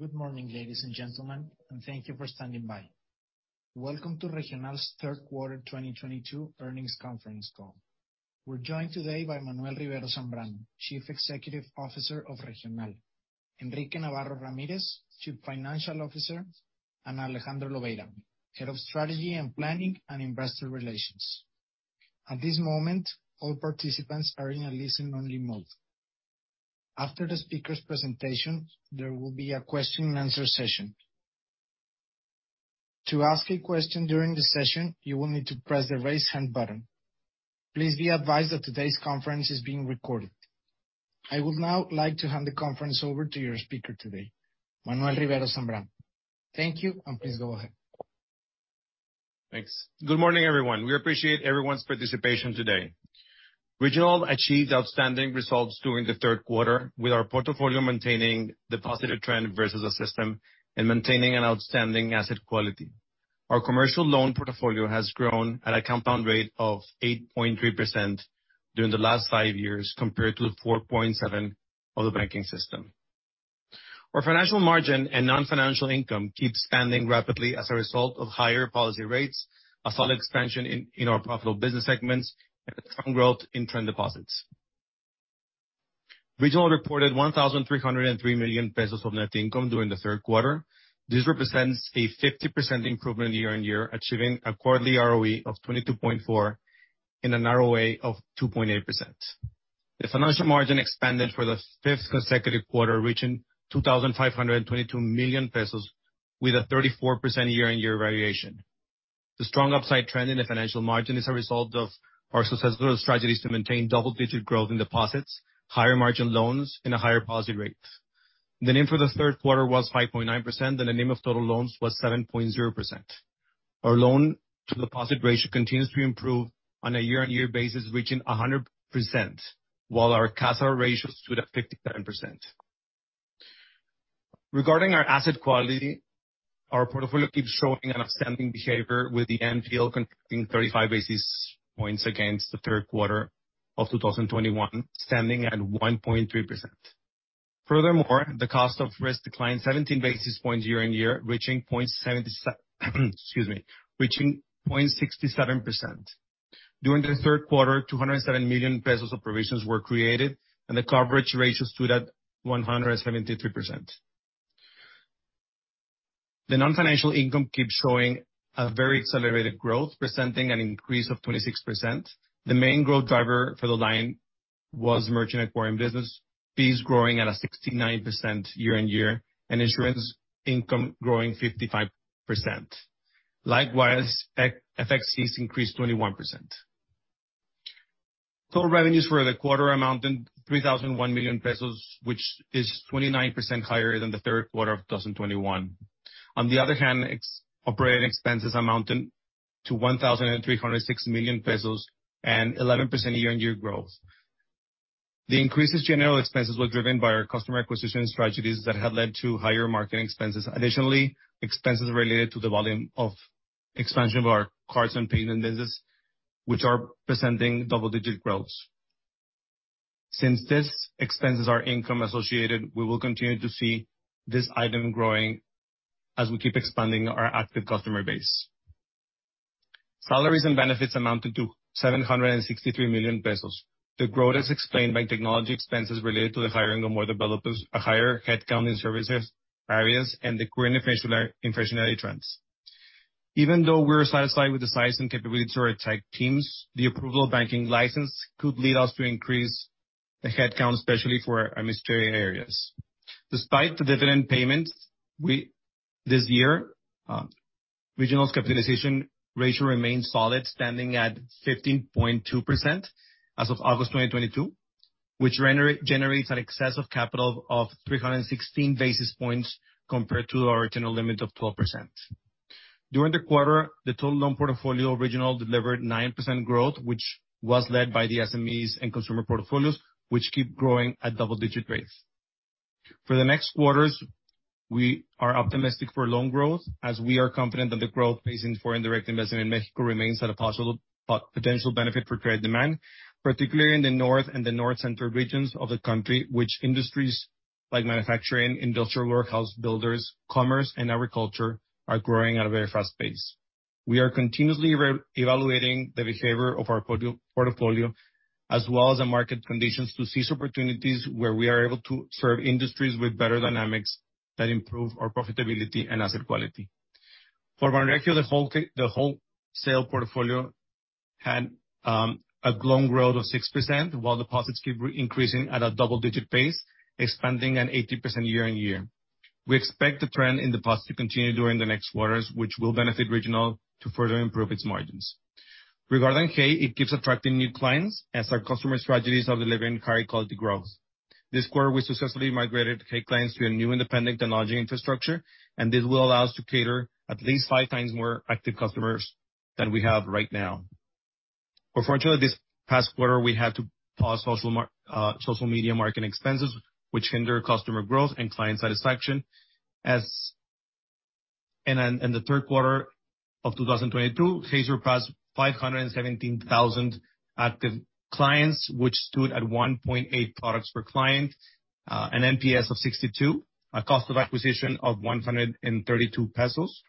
Good morning, ladies and gentlemen, and thank you for standing by. Welcome to Regional's third quarter 2022 earnings conference call. We're joined today by Manuel Rivero Zambrano, Chief Executive Officer of Regional. Enrique Navarro Ramirez, Chief Financial Officer, and Alejandro Lobeira, Head of Strategy and Planning and Investor Relations. At this moment, all participants are in a listen-only mode. After the speaker's presentation, there will be a question-and-answer session. To ask a question during the session, you will need to press the Raise Hand button. Please be advised that today's conference is being recorded. I would now like to hand the conference over to your speaker today, Manuel Rivero Zambrano. Thank you, and please go ahead. Thanks. Good morning, everyone. We appreciate everyone's participation today. Regional achieved outstanding results during the third quarter with our portfolio maintaining the positive trend versus the system and maintaining an outstanding asset quality. Our commercial loan portfolio has grown at a compound rate of 8.3% during the last five years, compared to 4.7% of the banking system. Our financial margin and non-financial income keeps expanding rapidly as a result of higher policy rates, a solid expansion in our profitable business segments, and a strong growth in term deposits. Regional reported 1,303 million pesos of net income during the third quarter. This represents a 50% improvement year-on-year, achieving a quarterly ROE of 22.4% in an ROA of 2.8%. The financial margin expanded for the fifth consecutive quarter, reaching 2,522 million pesos with a 34% year-on-year variation. The strong upside trend in the financial margin is a result of our successful strategies to maintain double-digit growth in deposits, higher margin loans, and a higher positive rate. The NIM for the third quarter was 5.9%, and the NIM of total loans was 7.0%. Our loan to deposit ratio continues to improve on a year-on-year basis, reaching 100%, while our CASA ratio stood at 57%. Regarding our asset quality, our portfolio keeps showing an outstanding behavior with the NPL contracting 35 basis points against the third quarter of 2021, standing at 1.3%. Furthermore, the cost of risk declined 17 basis points year-on-year, reaching 0.67%. During the third quarter, 207 million pesos of provisions were created, and the coverage ratio stood at 173%. The non-financial income keeps showing a very accelerated growth, presenting an increase of 26%. The main growth driver for the line was merchant acquiring business fees growing at a 69% year-on-year, and insurance income growing 55%. Likewise, FX fees increased 21%. Total revenues for the quarter amounted 3,001 million pesos, which is 29% higher than the third quarter of 2021. On the other hand, operating expenses amounted to 1,306 million pesos and 11% year-on-year growth. The increases general expenses were driven by our customer acquisition strategies that have led to higher marketing expenses. Additionally, expenses related to the volume of expansion of our cards and payment business, which are presenting double-digit growth. Since these expenses are income associated, we will continue to see this item growing as we keep expanding our active customer base. Salaries and benefits amounted to 763 million pesos. The growth is explained by technology expenses related to the hiring of more developers, a higher headcount in services areas, and the current inflationary trends. Even though we're satisfied with the size and capability to retain teams, the approval of banking license could lead us to increase the headcount, especially for our mystery areas. Despite the dividend payments, this year, Regional's capitalization ratio remains solid, standing at 15.2% as of August 2022, which generates an excess of capital of 316 basis points compared to our original limit of 12%. During the quarter, the total loan portfolio Regional delivered 9% growth, which was led by the SMEs and consumer portfolios, which keep growing at double-digit rates. For the next quarters, we are optimistic for loan growth, as we are confident that the growth pacing for indirect investment in Mexico remains at a possible potential benefit for credit demand, particularly in the North and the North central regions of the country, which industries like manufacturing, industrial warehouse builders, commerce, and agriculture are growing at a very fast pace. We are continuously reevaluating the behavior of our portfolio, as well as the market conditions, to seize opportunities where we are able to serve industries with better dynamics that improve our profitability and asset quality. For Banregio, the wholesale portfolio had a loan growth of 6%, while deposits keep increasing at a double-digit pace, expanding at 80% year-on-year. We expect the trend in deposits to continue during the next quarters, which will benefit Regional to further improve its margins. Regarding Hey, it keeps attracting new clients as our customer strategies are delivering high-quality growth. This quarter, we successfully migrated Hey clients to a new independent technology infrastructure, and this will allow us to cater at least five times more active customers than we have right now. Unfortunately, this past quarter, we had to pause social media marketing expenses, which hinder customer growth and client satisfaction. In the third quarter of 2022, Hey passed 517,000 active clients, which stood at 1.8 products per client, an NPS of 62, a cost of acquisition of 132 pesos,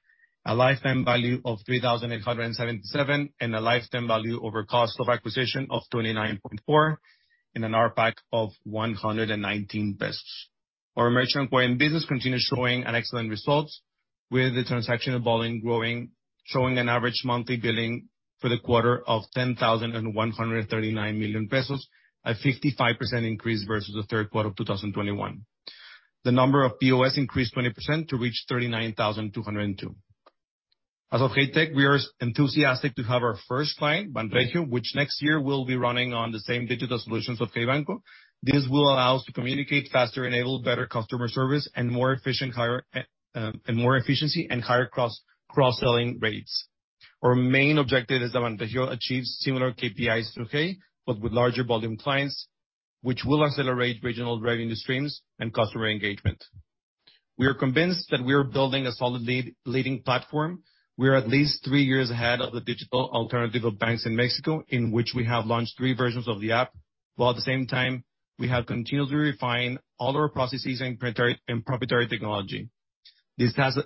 a lifetime value of 3,877 MXN, and a lifetime value over cost of acquisition of 29.4 and an ARPAC of 119 pesos. Our merchant acquiring business continues showing excellent results with the transaction evolving, growing, showing an average monthly billing for the quarter of 10,139 million pesos at 55% increase versus the third quarter of 2021. The number of POS increased 20% to reach 39,202. As of Hey Tech, we are enthusiastic to have our first client, Ventario, which next year will be running on the same digital solutions of Hey Banco. This will allow us to communicate faster, enable better customer service and more efficient, higher, and more efficiency and higher cross-selling rates. Our main objective is Ventario achieves similar KPIs through Hey, but with larger volume clients, which will accelerate regional revenue streams and customer engagement. We are convinced that we are building a solid leading platform. We are at least three years ahead of the digital alternative of banks in Mexico, in which we have launched three versions of the app, while at the same time we have continued to refine all our processes and proprietary technology.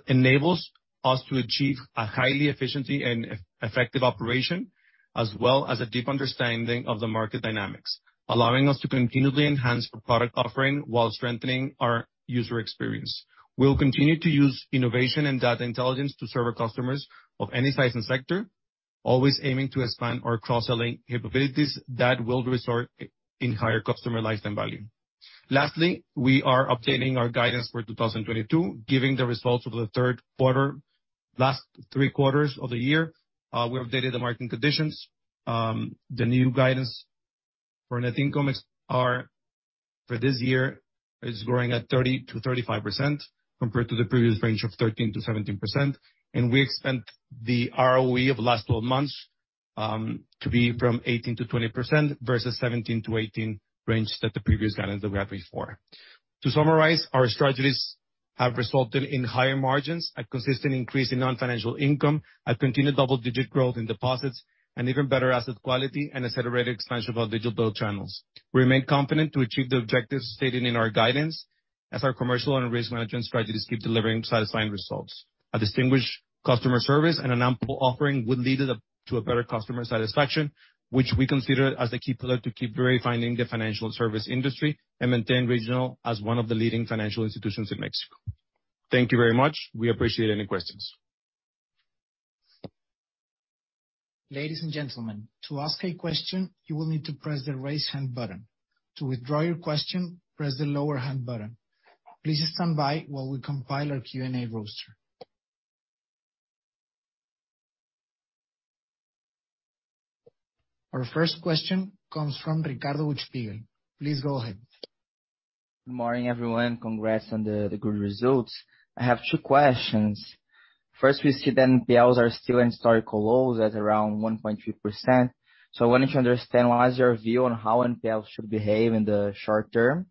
enables us to achieve a high efficiency and effective operation, as well as a deep understanding of the market dynamics, allowing us to continually enhance product offering while strengthening our user experience. We'll continue to use innovation and data intelligence to serve our customers of any size and sector, always aiming to expand our cross-selling capabilities that will result in higher customer lifetime value. Lastly, we are updating our guidance for 2022, given the results of the third quarter, last three quarters of the year. We updated the market conditions. The new guidance for net income ex-AIF for this year is growing at 30%-35% compared to the previous range of 13%-17%. We expect the ROE of last 12 months to be from 18%-20% versus 17%-18% range that the previous guidance that we had before. To summarize, our strategies have resulted in higher margins, a consistent increase in non-financial income, a continued double-digit growth in deposits and even better asset quality and accelerated expansion of our digital banking channels. We remain confident to achieve the objectives stated in our guidance as our commercial and risk management strategies keep delivering satisfying results. A distinguished customer service and an ample offering would lead to a better customer satisfaction, which we consider as a key pillar to keep redefining the financial service industry and maintain Regional as one of the leading financial institutions in Mexico. Thank you very much. We appreciate any questions. Ladies and gentlemen, to ask a question, you will need to press the Raise Hand button. To withdraw your question, press the Lower Hand button. Please stand by while we compile our Q&A roster. Our first question comes from Ricardo Buchpiguel. Please go ahead. Good morning, everyone. Congrats on the good results. I have two questions. First, we see that NPLs are still in historical lows at around 1.3%. I wanted to understand what is your view on how NPL should behave in the short term,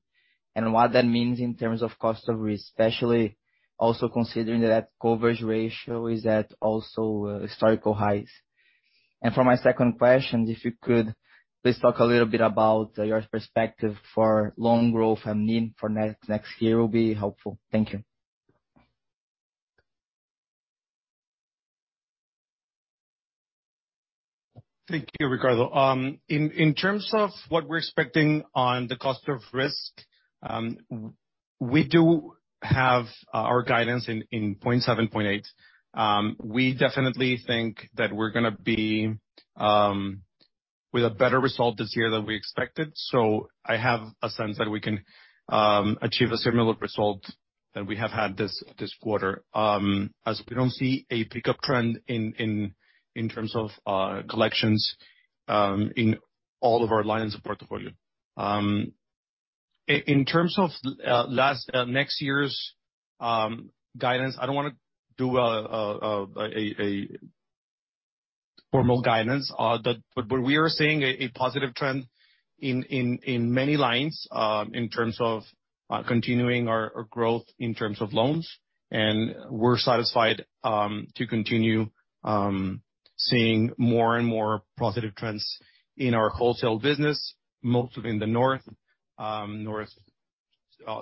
and what that means in terms of cost of risk, especially also considering that coverage ratio is at also historical highs. For my second question, if you could please talk a little bit about your perspective for loan growth and need for next year will be helpful. Thank you. Thank you, Ricardo. In terms of what we're expecting on the cost of risk, we do have our guidance in 0.7%-0.8%. We definitely think that we're gonna be with a better result this year than we expected. I have a sense that we can achieve a similar result that we have had this quarter, as we don't see a pickup trend in terms of collections in all of our lines of portfolio. In terms of next year's guidance, I don't wanna do a formal guidance, but we are seeing a positive trend in many lines in terms of continuing our growth in terms of loans. We're satisfied to continue seeing more and more positive trends in our wholesale business, mostly in the north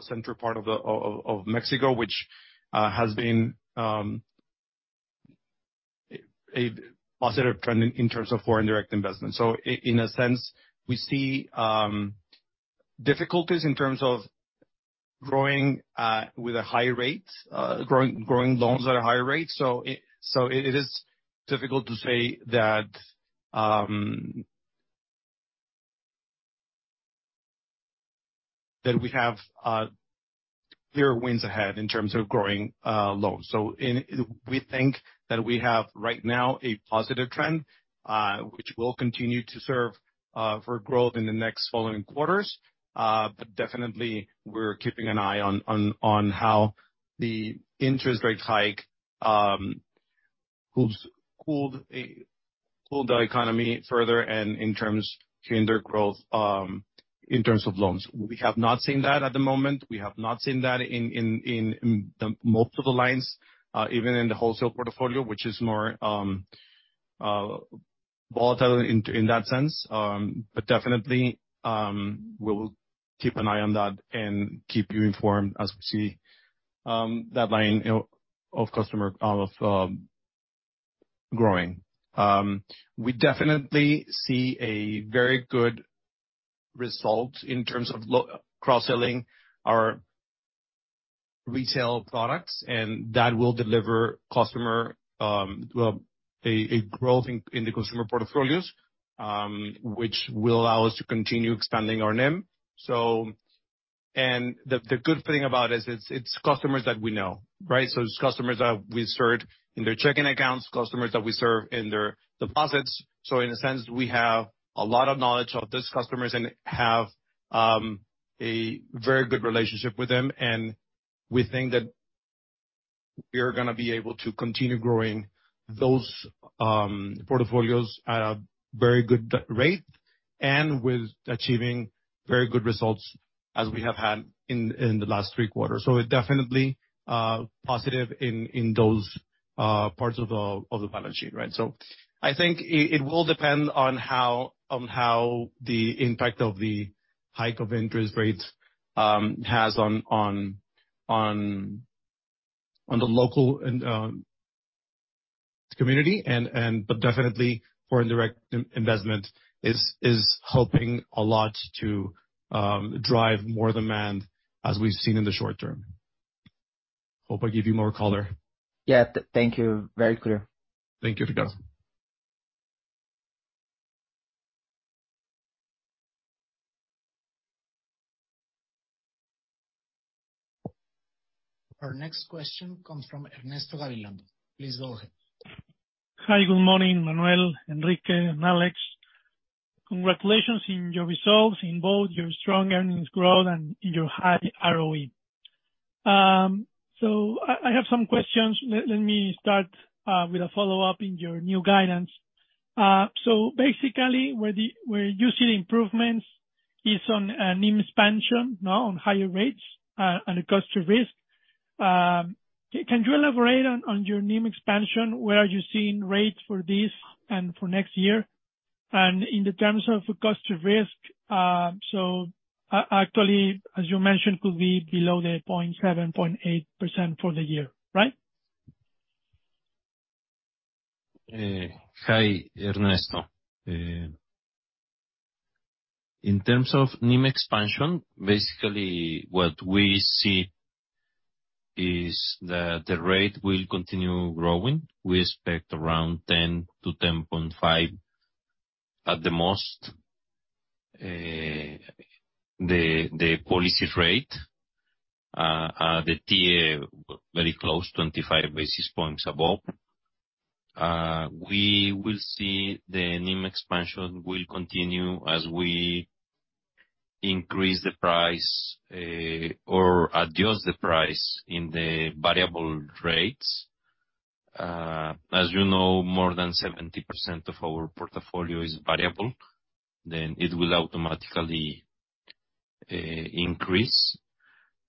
central part of Mexico, which has been a positive trend in terms of foreign direct investment. In a sense, we see difficulties in terms of growing with a high rate, growing loans at a higher rate. It is difficult to say that we have clear wins ahead in terms of growing loans. We think that we have right now a positive trend, which will continue to serve for growth in the next following quarters. But definitely we're keeping an eye on how the interest rate hikes. Which has cooled the economy further, in terms of hindering growth in terms of loans. We have not seen that at the moment. We have not seen that in the multiple lines, even in the wholesale portfolio, which is more volatile in that sense. But definitely, we'll keep an eye on that and keep you informed as we see that line, you know, of customer growing. We definitely see a very good result in terms of cross-selling our retail products, and that will deliver customer growth in the consumer portfolios, which will allow us to continue expanding our NIM. The good thing about it is it's customers that we know, right? It's customers that we serve in their checking accounts, customers that we serve in their deposits. In a sense, we have a lot of knowledge of these customers, and have a very good relationship with them. We think that we are gonna be able to continue growing those portfolios at a very good rate, and with achieving very good results as we have had in the last three quarters. We're definitely positive in those parts of the balance sheet, right? I think it will depend on how the impact of the hike of interest rates has on the local and community, but definitely foreign direct investment is helping a lot to drive more demand as we've seen in the short term. hope I give you more color. Yeah. Thank you. Very clear. Thank you, Ricardo. Our next question comes from Ernesto Gabilondo. Please go ahead. Hi. Good morning, Manuel, Enrique, and Alex. Congratulations on your results, in both your strong earnings growth and in your high ROE. I have some questions. Let me start with a follow-up on your new guidance. Basically, where you see the improvements is on NIM expansion, no, on higher rates, and the cost to risk. Can you elaborate on your NIM expansion? Where are you seeing rates for this and for next year? In terms of cost to risk, actually, as you mentioned, could be below 0.78% for the year, right? Hi, Ernesto. In terms of NIM expansion, basically what we see is that the rate will continue growing. We expect around 10%-10.5% at the most. The policy rate, the TIIE very close, 25 basis points above. We will see the NIM expansion will continue as we increase the price or adjust the price in the variable rates. As you know, more than 70% of our portfolio is variable, then it will automatically increase.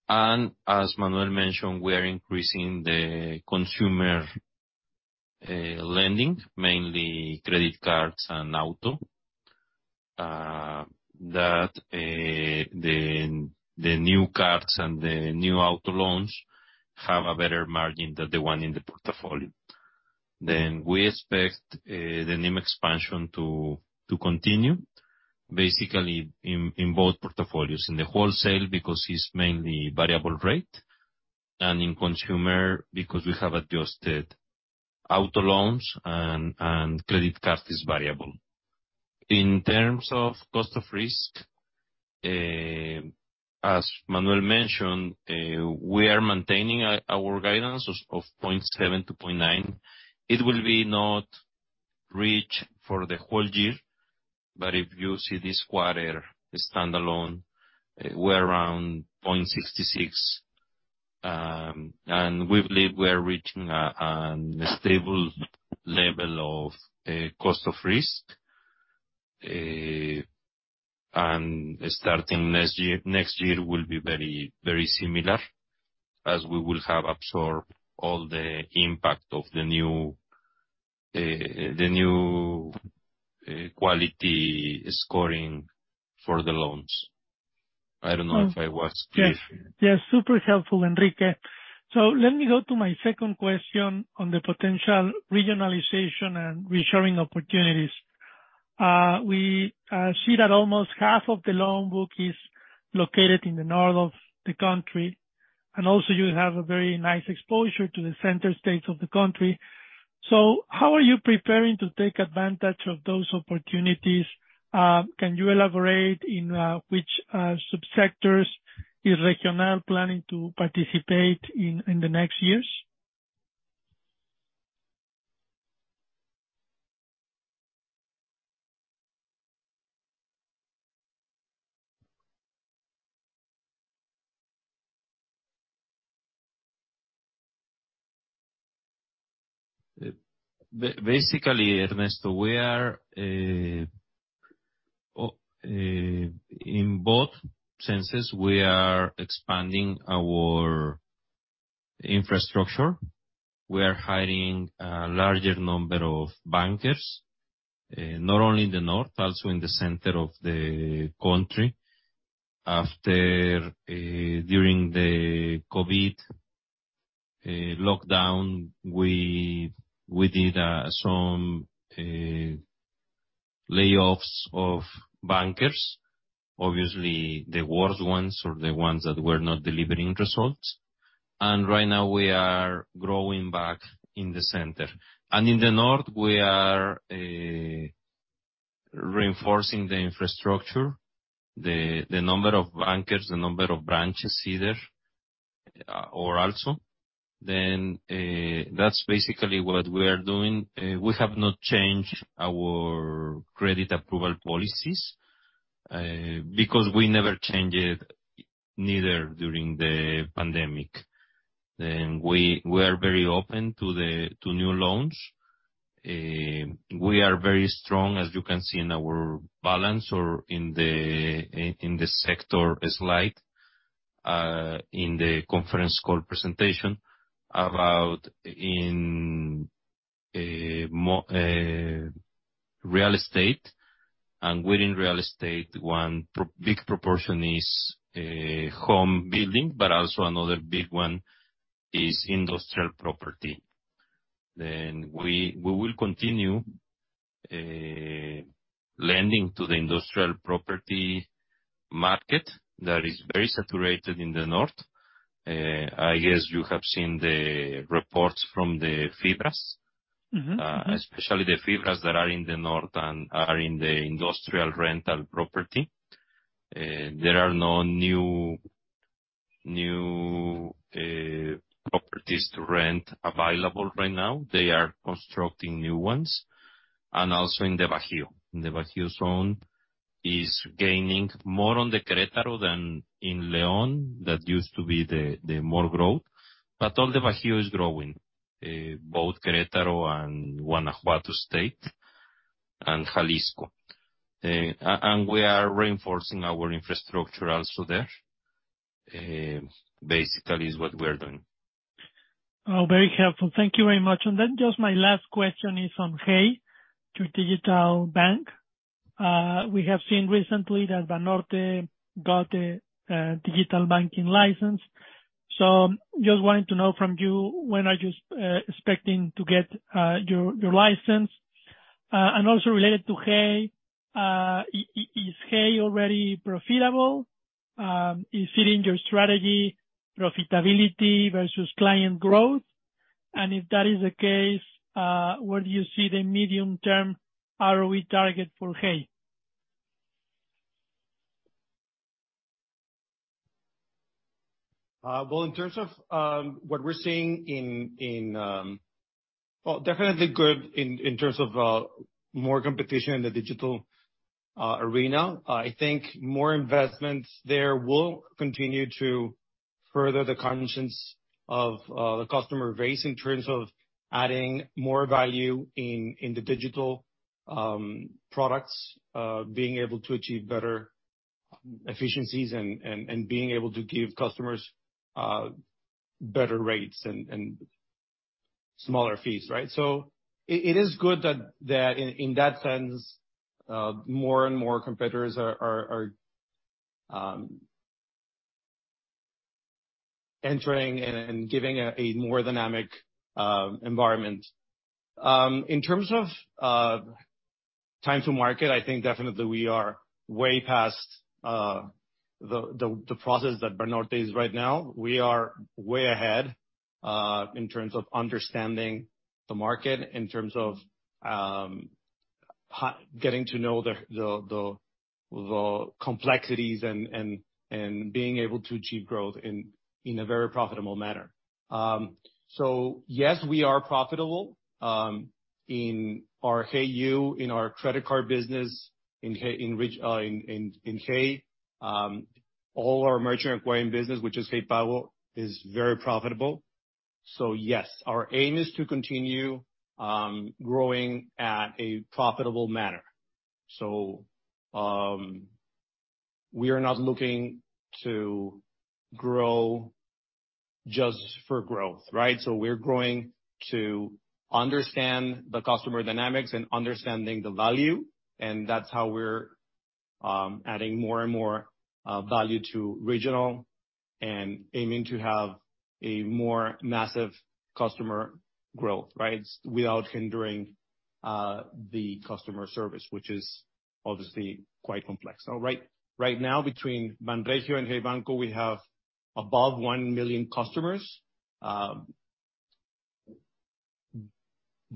As Manuel mentioned, we are increasing the consumer lending, mainly credit cards and auto, the new cards and the new auto loans have a better margin than the one in the portfolio. We expect the NIM expansion to continue basically in both portfolios. In the wholesale because it's mainly variable rate, and in consumer because we have adjustable auto loans and credit card is variable. In terms of cost of risk, as Manuel mentioned, we are maintaining our guidance of 0.7%-0.9%. It will not be reached for the whole year, but if you see this quarter standalone, we're around 0.66%. We believe we're reaching a stable level of cost of risk. Starting next year, next year will be very similar, as we will have absorbed all the impact of the new quality scoring for the loans. I don't know if I was clear. Yes. Yeah, super helpful, Enrique. Let me go to my second question on the potential regionalization and reassuring opportunities. We see that almost half of the loan book is located in the north of the country, and also you have a very nice exposure to the center states of the country. How are you preparing to take advantage of those opportunities? Can you elaborate in which subsectors is Regional planning to participate in the next years? Basically, Ernesto, we are, in both senses, we are expanding our infrastructure. We are hiring a larger number of bankers, not only in the north, also in the center of the country. During the COVID lockdown, we did some layoffs of bankers, obviously the worst ones or the ones that were not delivering results. Right now we are growing back in the center. In the north, we are reinforcing the infrastructure, the number of bankers, the number of branches either or also. That's basically what we are doing. We have not changed our credit approval policies, because we never changed it neither during the pandemic. We are very open to new loans. We are very strong, as you can see in our balance or in the sector slide in the conference call presentation about more real estate and within real estate, one big proportion is home building, but also another big one is industrial property. We will continue lending to the industrial property market that is very saturated in the north. I guess you have seen the reports from the FIBRAs. Mm-hmm. Mm-hmm. Especially the FIBRAs that are in the north and are in the industrial rental property. There are no new properties to rent available right now. They are constructing new ones. Also in the Bajío. The Bajío zone is gaining more on the Querétaro than in León. That used to be the more growth. All the Bajío is growing, both Querétaro and Guanajuato State and Jalisco. We are reinforcing our infrastructure also there. Basically is what we are doing. Oh, very helpful. Thank you very much. Just my last question is on Hey, your digital bank. We have seen recently that Banorte got a digital banking license. Just wanted to know from you, when are you expecting to get your license? Also related to Hey, is Hey already profitable? Is it in your strategy, profitability versus client growth? If that is the case, where do you see the medium term ROE target for Hey? Well, in terms of what we're seeing. Well, definitely good in terms of more competition in the digital arena. I think more investments there will continue to further the convenience of the customer base in terms of adding more value in the digital products, being able to achieve better efficiencies and being able to give customers better rates and smaller fees, right? It is good that in that sense more and more competitors are entering and giving a more dynamic environment. In terms of time to market, I think definitely we are way past the process that Banorte is right now. We are way ahead in terms of understanding the market, in terms of getting to know the complexities and being able to achieve growth in a very profitable manner. Yes, we are profitable in our Hey Individuals, in our credit card business, in Hey, in Rich, in Hey. All our merchant acquiring business, which is Hey Pago, is very profitable. Yes, our aim is to continue growing at a profitable manner. We are not looking to grow just for growth, right? We're growing to understand the customer dynamics and understanding the value, and that's how we're adding more and more value to Regional and aiming to have a more massive customer growth, right? Without hindering the customer service, which is obviously quite complex. Right now between Banregio and Hey Banco, we have above 1 million customers.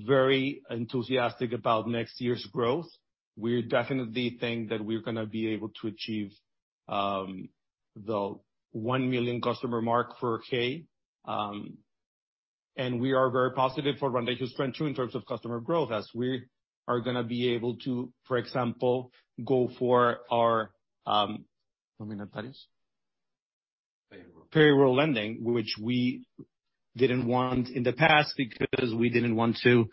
Very enthusiastic about next year's growth. We definitely think that we're gonna be able to achieve the 1 million customer mark for Hey. We are very positive for Banregio's trend too, in terms of customer growth, as we are gonna be able to, for example, go for our payroll lending, which we didn't want in the past because we didn't want to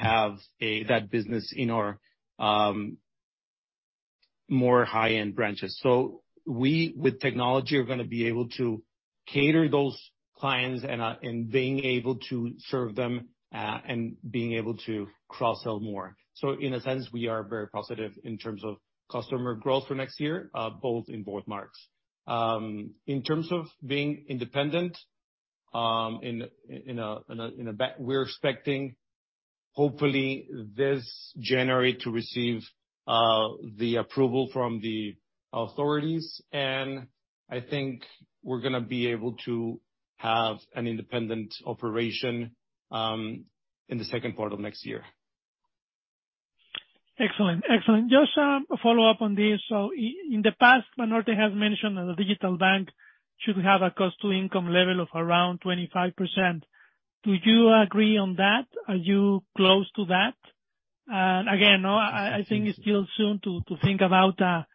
have that business in our more high-end branches. With technology, we are gonna be able to cater those clients and being able to serve them and being able to cross-sell more. In a sense, we are very positive in terms of customer growth for next year in both markets. In terms of being independent, we're expecting, hopefully this January, to receive the approval from the authorities. I think we're gonna be able to have an independent operation in the second quarter of next year. Excellent. Just, a follow-up on this. In the past, Banorte has mentioned that the digital bank should have a cost to income level of around 25%. Do you agree on that? Are you close to that? Again, no, I think it's still soon to think about a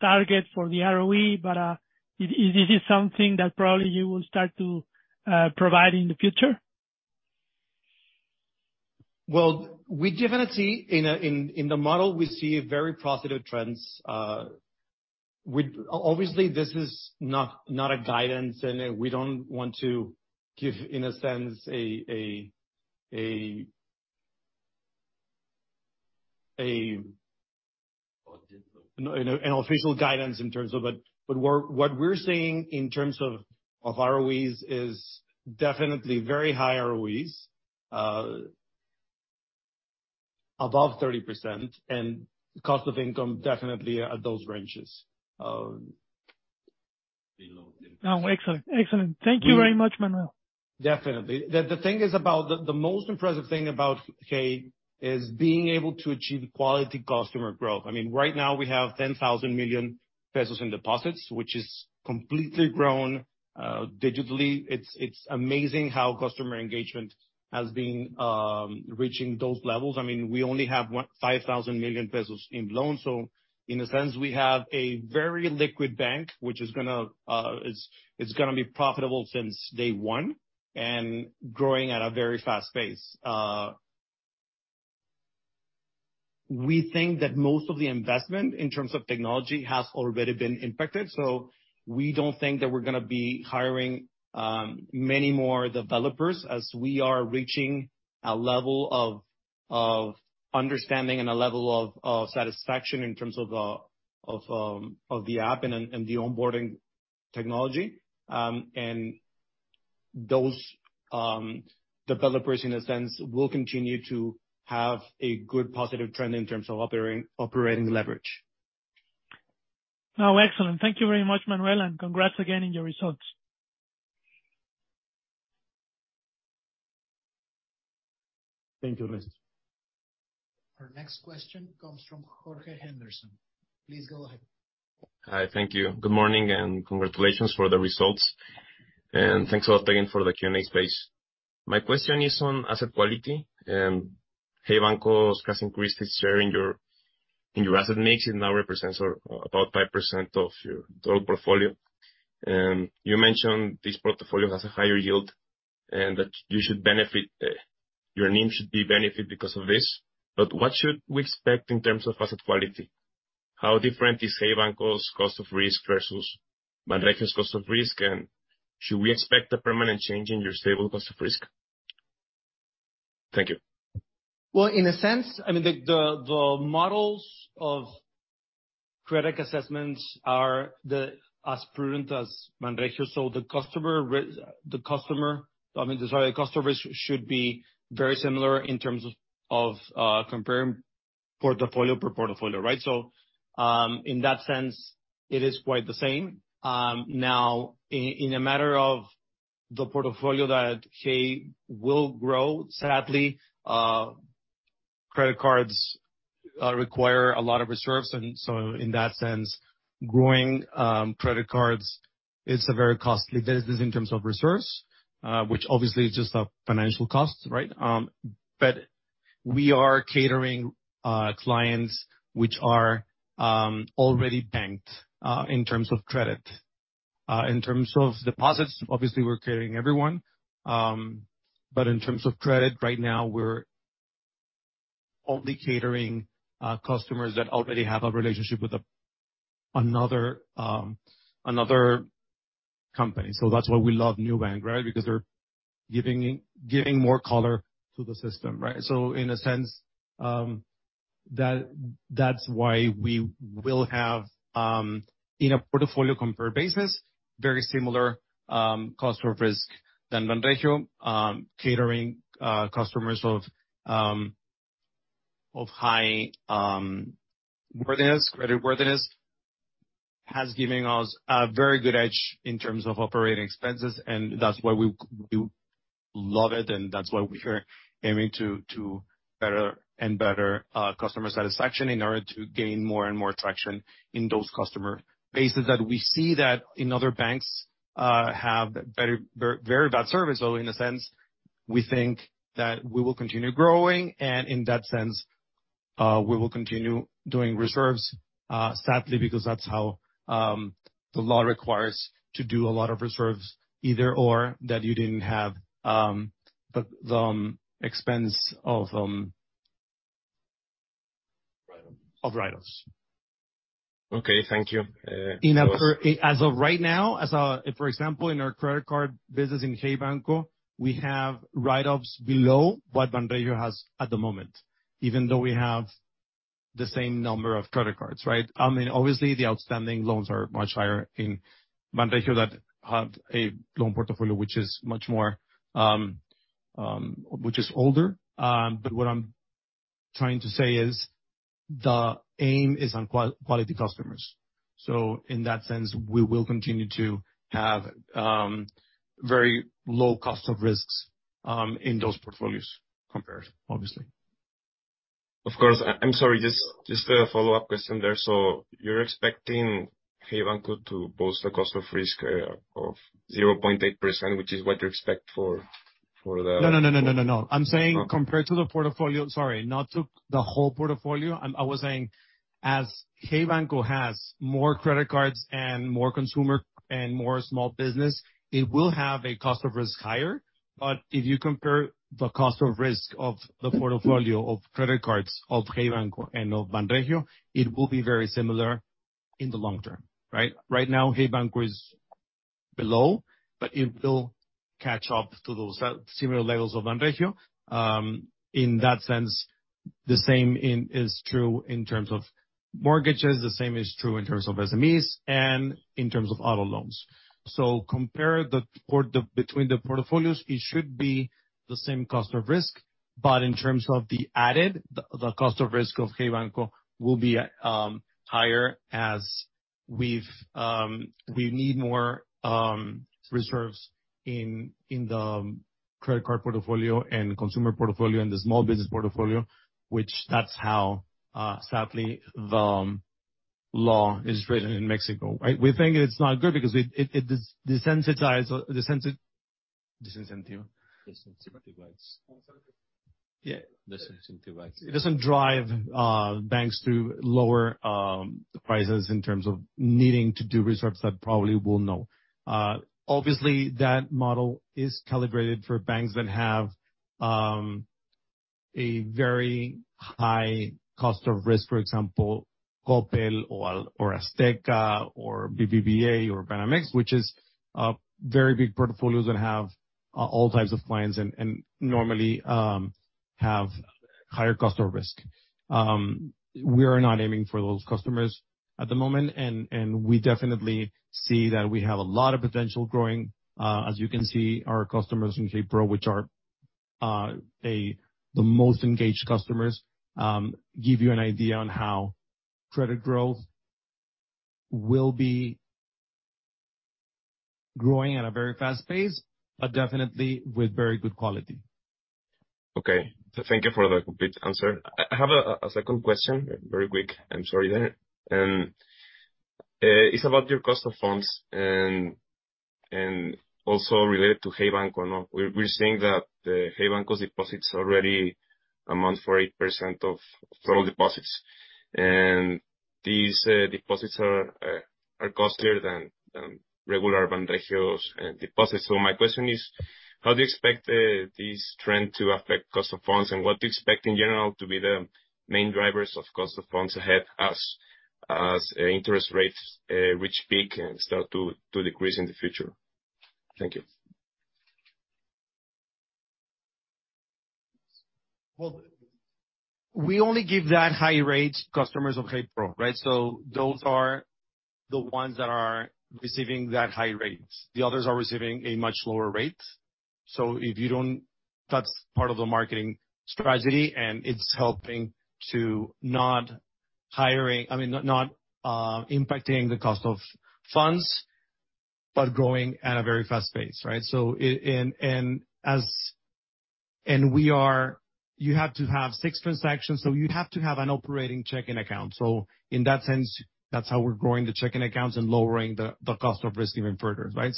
target for the ROE, but is this something that probably you will start to provide in the future? Well, we definitely, in the model, we see very positive trends. Obviously, this is not a guidance, and we don't want to give, in a sense, a - you know, no official guidance in terms of ROEs, but what we're seeing in terms of ROEs is definitely very high ROEs above 30%, and cost-to-income definitely at those ranges. Oh, excellent. Excellent. Thank you very much, Manuel. Definitely. The most impressive thing about Hey is being able to achieve quality customer growth. I mean, right now we have 10,000 million pesos in deposits, which is completely grown digitally. It's amazing how customer engagement has been reaching those levels. I mean, we only have 5,000 million pesos in loans. In a sense, we have a very liquid bank, which is gonna be profitable since day one and growing at a very fast pace. We think that most of the investment in terms of technology has already been impacted, so we don't think that we're gonna be hiring many more developers as we are reaching a level of understanding and a level of satisfaction in terms of the app and the onboarding technology. Those developers, in a sense, will continue to have a good positive trend in terms of operating leverage. Oh, excellent. Thank you very much, Manuel, and congrats again on your results. Thank you, Manuel Rivero Zambrano. Our next question comes from Jorge Henderson. Please go ahead. Hi. Thank you. Good morning, and congratulations for the results. Thanks a lot again for the Q&A space. My question is on asset quality. Hey Banco has increased its share in your asset mix. It now represents about 5% of your total portfolio. You mentioned this portfolio has a higher yield and that you should benefit, your NIM should benefit because of this. What should we expect in terms of asset quality? How different is Hey Banco's cost of risk versus Banregio's cost of risk? Should we expect a permanent change in your stable cost of risk? Thank you. Well, in a sense, I mean, the models of credit assessments are as prudent as Banregio. The customers should be very similar in terms of comparing portfolio per portfolio, right? I mean, sorry. In that sense, it is quite the same. Now in a matter of the portfolio that Hey will grow, sadly, credit cards require a lot of reserves. In that sense, growing credit cards is a very costly business in terms of reserves, which obviously is just a financial cost, right? We are catering clients which are already banked in terms of credit. In terms of deposits, obviously we're catering everyone. In terms of credit, right now we're only catering customers that already have a relationship with another company. That's why we love Nubank, right? Because they're giving more color to the system, right? In a sense, that's why we will have, on a comparable basis, very similar cost of risk than Banregio. Catering customers of high creditworthiness has given us a very good edge in terms of operating expenses, and that's why we love it, and that's why we are aiming to better and better customer satisfaction in order to gain more and more traction in those customer bases that we see that in other banks have very, very bad service. In a sense, we think that we will continue growing, and in that sense, we will continue doing reserves, sadly, because that's how the law requires to do a lot of reserves, either or that you didn't have the expense ofOf write-offs. Okay, thank you. As of right now, for example, in our credit card business in Hey Banco, we have write-offs below what Banregio has at the moment, even though we have the same number of credit cards, right? I mean, obviously, the outstanding loans are much higher in Banregio that have a loan portfolio which is much more, which is older. But what I'm trying to say is the aim is on quality customers. In that sense, we will continue to have very low cost of risks in those portfolios compared, obviously. Of course. I'm sorry, just a follow-up question there. You're expecting Hey Banco to boost the cost of risk of 0.8%, which is what you expect for the- No. I'm saying compared to the portfolio. Sorry, not to the whole portfolio. I was saying, as Hey Banco has more credit cards and more consumer and more small business, it will have a cost of risk higher. If you compare the cost of risk of the portfolio of credit cards of Hey Banco and of Banregio, it will be very similar in the long term, right? Right now, Hey Banco is below, but it will catch up to those similar levels of Banregio. In that sense, the same is true in terms of mortgages, the same is true in terms of SMEs, and in terms of auto loans. Compare between the portfolios, it should be the same cost of risk. In terms of the added cost of risk of Hey Banco will be higher as we need more reserves in the credit card portfolio and consumer portfolio and the small business portfolio, that's how, sadly, the law is written in Mexico, right? We think it's not good because it disincentivizes. Disincentivize. Yeah. Disincentivize. It doesn't drive banks to lower the prices in terms of needing to do reserves. Obviously, that model is calibrated for banks that have a very high cost of risk, for example, Coppel or Azteca or BBVA or Banamex, which have very big portfolios that have all types of clients and normally have higher cost of risk. We are not aiming for those customers at the moment, and we definitely see that we have a lot of potential growing. As you can see, our customers in Hey Pro, which are the most engaged customers, give you an idea on how credit growth will be growing at a very fast pace, but definitely with very good quality. Okay. Thank you for the complete answer. I have a second question, very quick. I'm sorry then. It's about your cost of funds and also related to Hey Banco. Now, we're seeing that the Hey Banco deposits already amount to 8% of total deposits. These deposits are costlier than regular Banregio's deposits. My question is: How do you expect this trend to affect cost of funds, and what do you expect in general to be the main drivers of cost of funds ahead as interest rates reach peak and start to decrease in the future? Thank you. Well, we only give that high rate customers of Hey Pro, right? Those are the ones that are receiving that high rate. The others are receiving a much lower rate. That's part of the marketing strategy, and it's helping to not impacting the cost of funds, but growing at a very fast pace, right? You have to have six transactions, so you have to have an operating checking account. In that sense, that's how we're growing the checking accounts and lowering the cost of risk even further, right?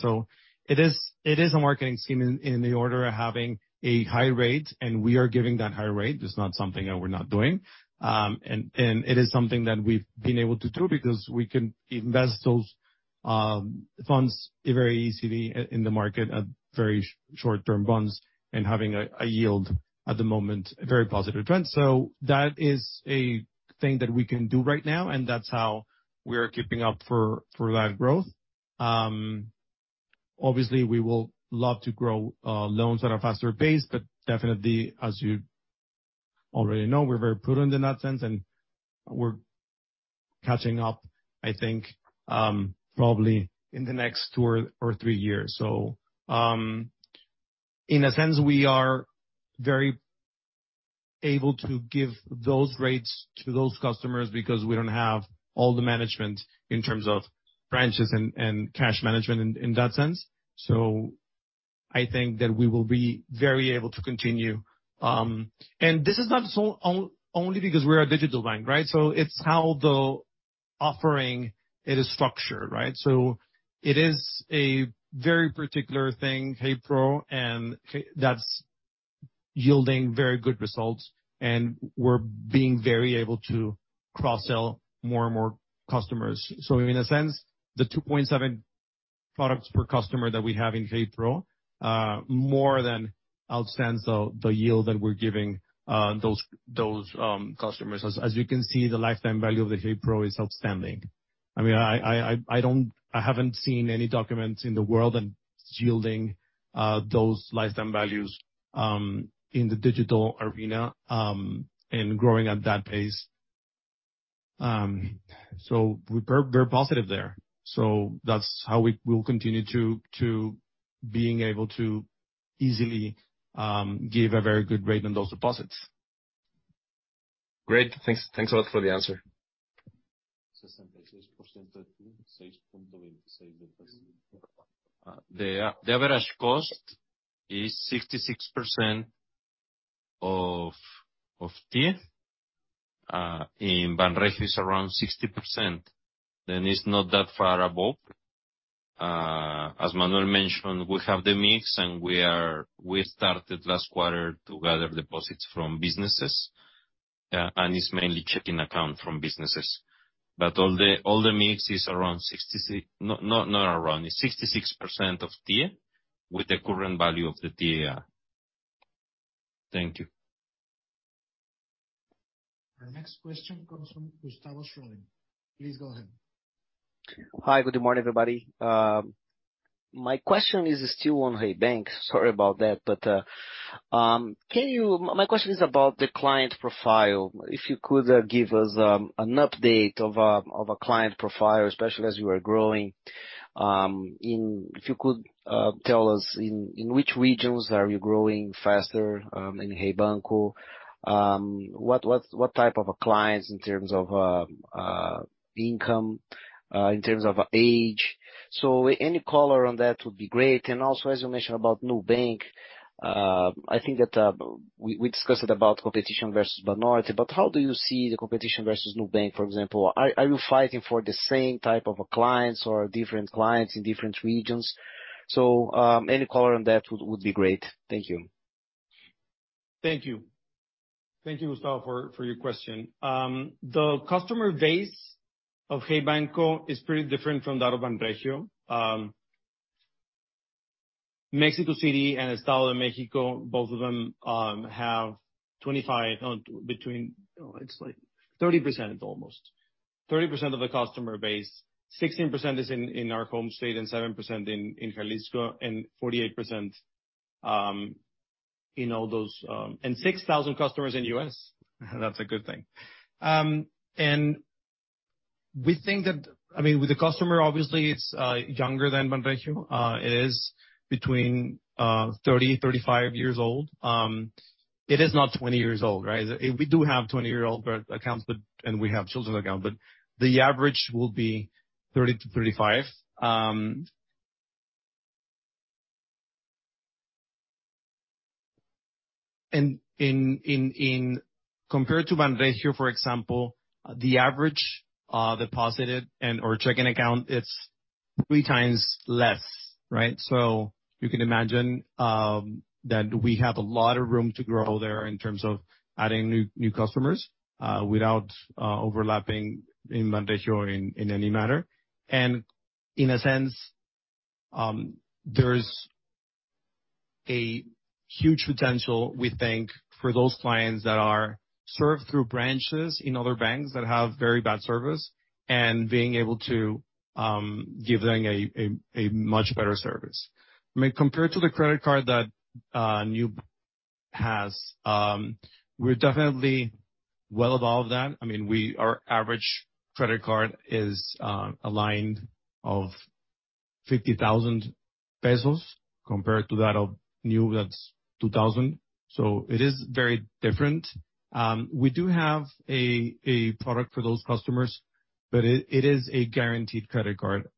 It is a marketing scheme in the order of having a high rate, and we are giving that high rate. It's not something that we're not doing. It is something that we've been able to do because we can invest those funds very easily in the market at very short-term bonds and having a yield at the moment, a very positive trend. That is a thing that we can do right now, and that's how we are keeping up for that growth. Obviously, we will love to grow loans at a faster pace, but definitely, as you already know, we're very prudent in that sense, and we're catching up, I think, probably in the next two or three years. In a sense, we are very able to give those rates to those customers because we don't have all the management in terms of branches and cash management in that sense. I think that we will be very able to continue. This is not so only because we're a digital bank, right? It's how the offering it is structured, right? It is a very particular thing, Hey Pro, and that's yielding very good results, and we're being very able to cross-sell more and more customers. In a sense, the 2.7 products per customer that we have in Hey Pro more than outstands the yield that we're giving those customers. As you can see, the lifetime value of the Hey Pro is outstanding. I mean, I haven't seen any documents in the world that's yielding those lifetime values in the digital arena and growing at that pace. We're very positive there. That's how we will continue to being able to easily give a very good rate on those deposits. Great. Thanks. Thanks a lot for the answer. The average cost is 66% of TIIE. In Banregio it's around 60%. It's not that far above. As Manuel mentioned, we have the mix and we started last quarter to gather deposits from businesses, and it's mainly checking account from businesses. But all the mix is around 60. No, not around. It's 66% of TIIE with the current value of the TIIE. Thank you. Our next question comes from Gustavo Schroden. Please go ahead. Hi. Good morning, everybody. My question is still on Hey Banco. Sorry about that. My question is about the client profile. If you could give us an update of a client profile, especially as you are growing. If you could tell us in which regions are you growing faster in Hey Banco? What type of clients in terms of income, in terms of age. So any color on that would be great. As you mentioned about Nubank, I think that we discussed about competition versus Nubank, but how do you see the competition versus Nubank, for example? Are you fighting for the same type of clients or different clients in different regions? Any color on that would be great. Thank you. Thank you. Thank you, Gustavo, for your question. The customer base of Hey Banco is pretty different from that of Banregio. Mexico City and Estado de México, both of them, have 25, between. It's like 30% almost. 30% of the customer base. 16% is in our home state and 7% in Jalisco and 48%, in all those. 6,000 customers in the U.S. That's a good thing. We think that I mean, with the customer, obviously, it's younger than Banregio. It is between 30-35 years old. It is not 20 years old, right? We do have 20-year-old accounts, but we have children account, but the average will be 30-35. Compared to Banregio, for example, the average deposit and/or checking account, it's three times less, right? You can imagine that we have a lot of room to grow there in terms of adding new customers without overlapping in Banregio in any matter. In a sense, there's a huge potential, we think, for those clients that are served through branches in other banks that have very bad service and being able to give them a much better service. I mean, compared to the credit card that Nu has, we're definitely well above that. I mean, our average credit card is a line of 50,000 pesos compared to that of Nu that's 2,000. It is very different. We do have a product for those customers, but it is a guaranteed credit card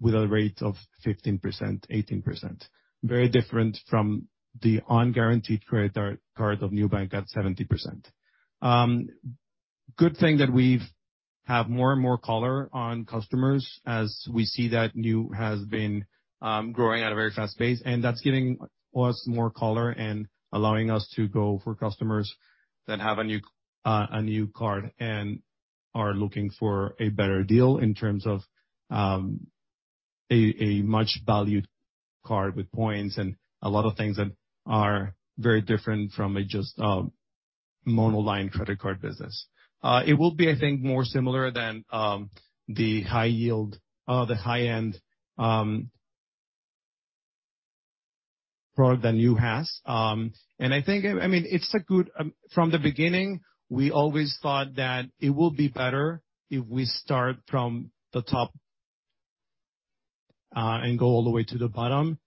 with a rate of 15%, 18%. Very different from the unguaranteed credit card of Nubank at 70%. Good thing that we have more and more color on customers as we see that Nubank has been growing at a very fast pace, and that's giving us more color and allowing us to go for customers that have a Nubank card and are looking for a better deal in terms of a much valued card with points and a lot of things that are very different from a just monoline credit card business. It will be, I think, more similar than the high yield, the high-end product that Nubank has. From the beginning, we always thought that it will be better if we start from the top and go all the way to the bottom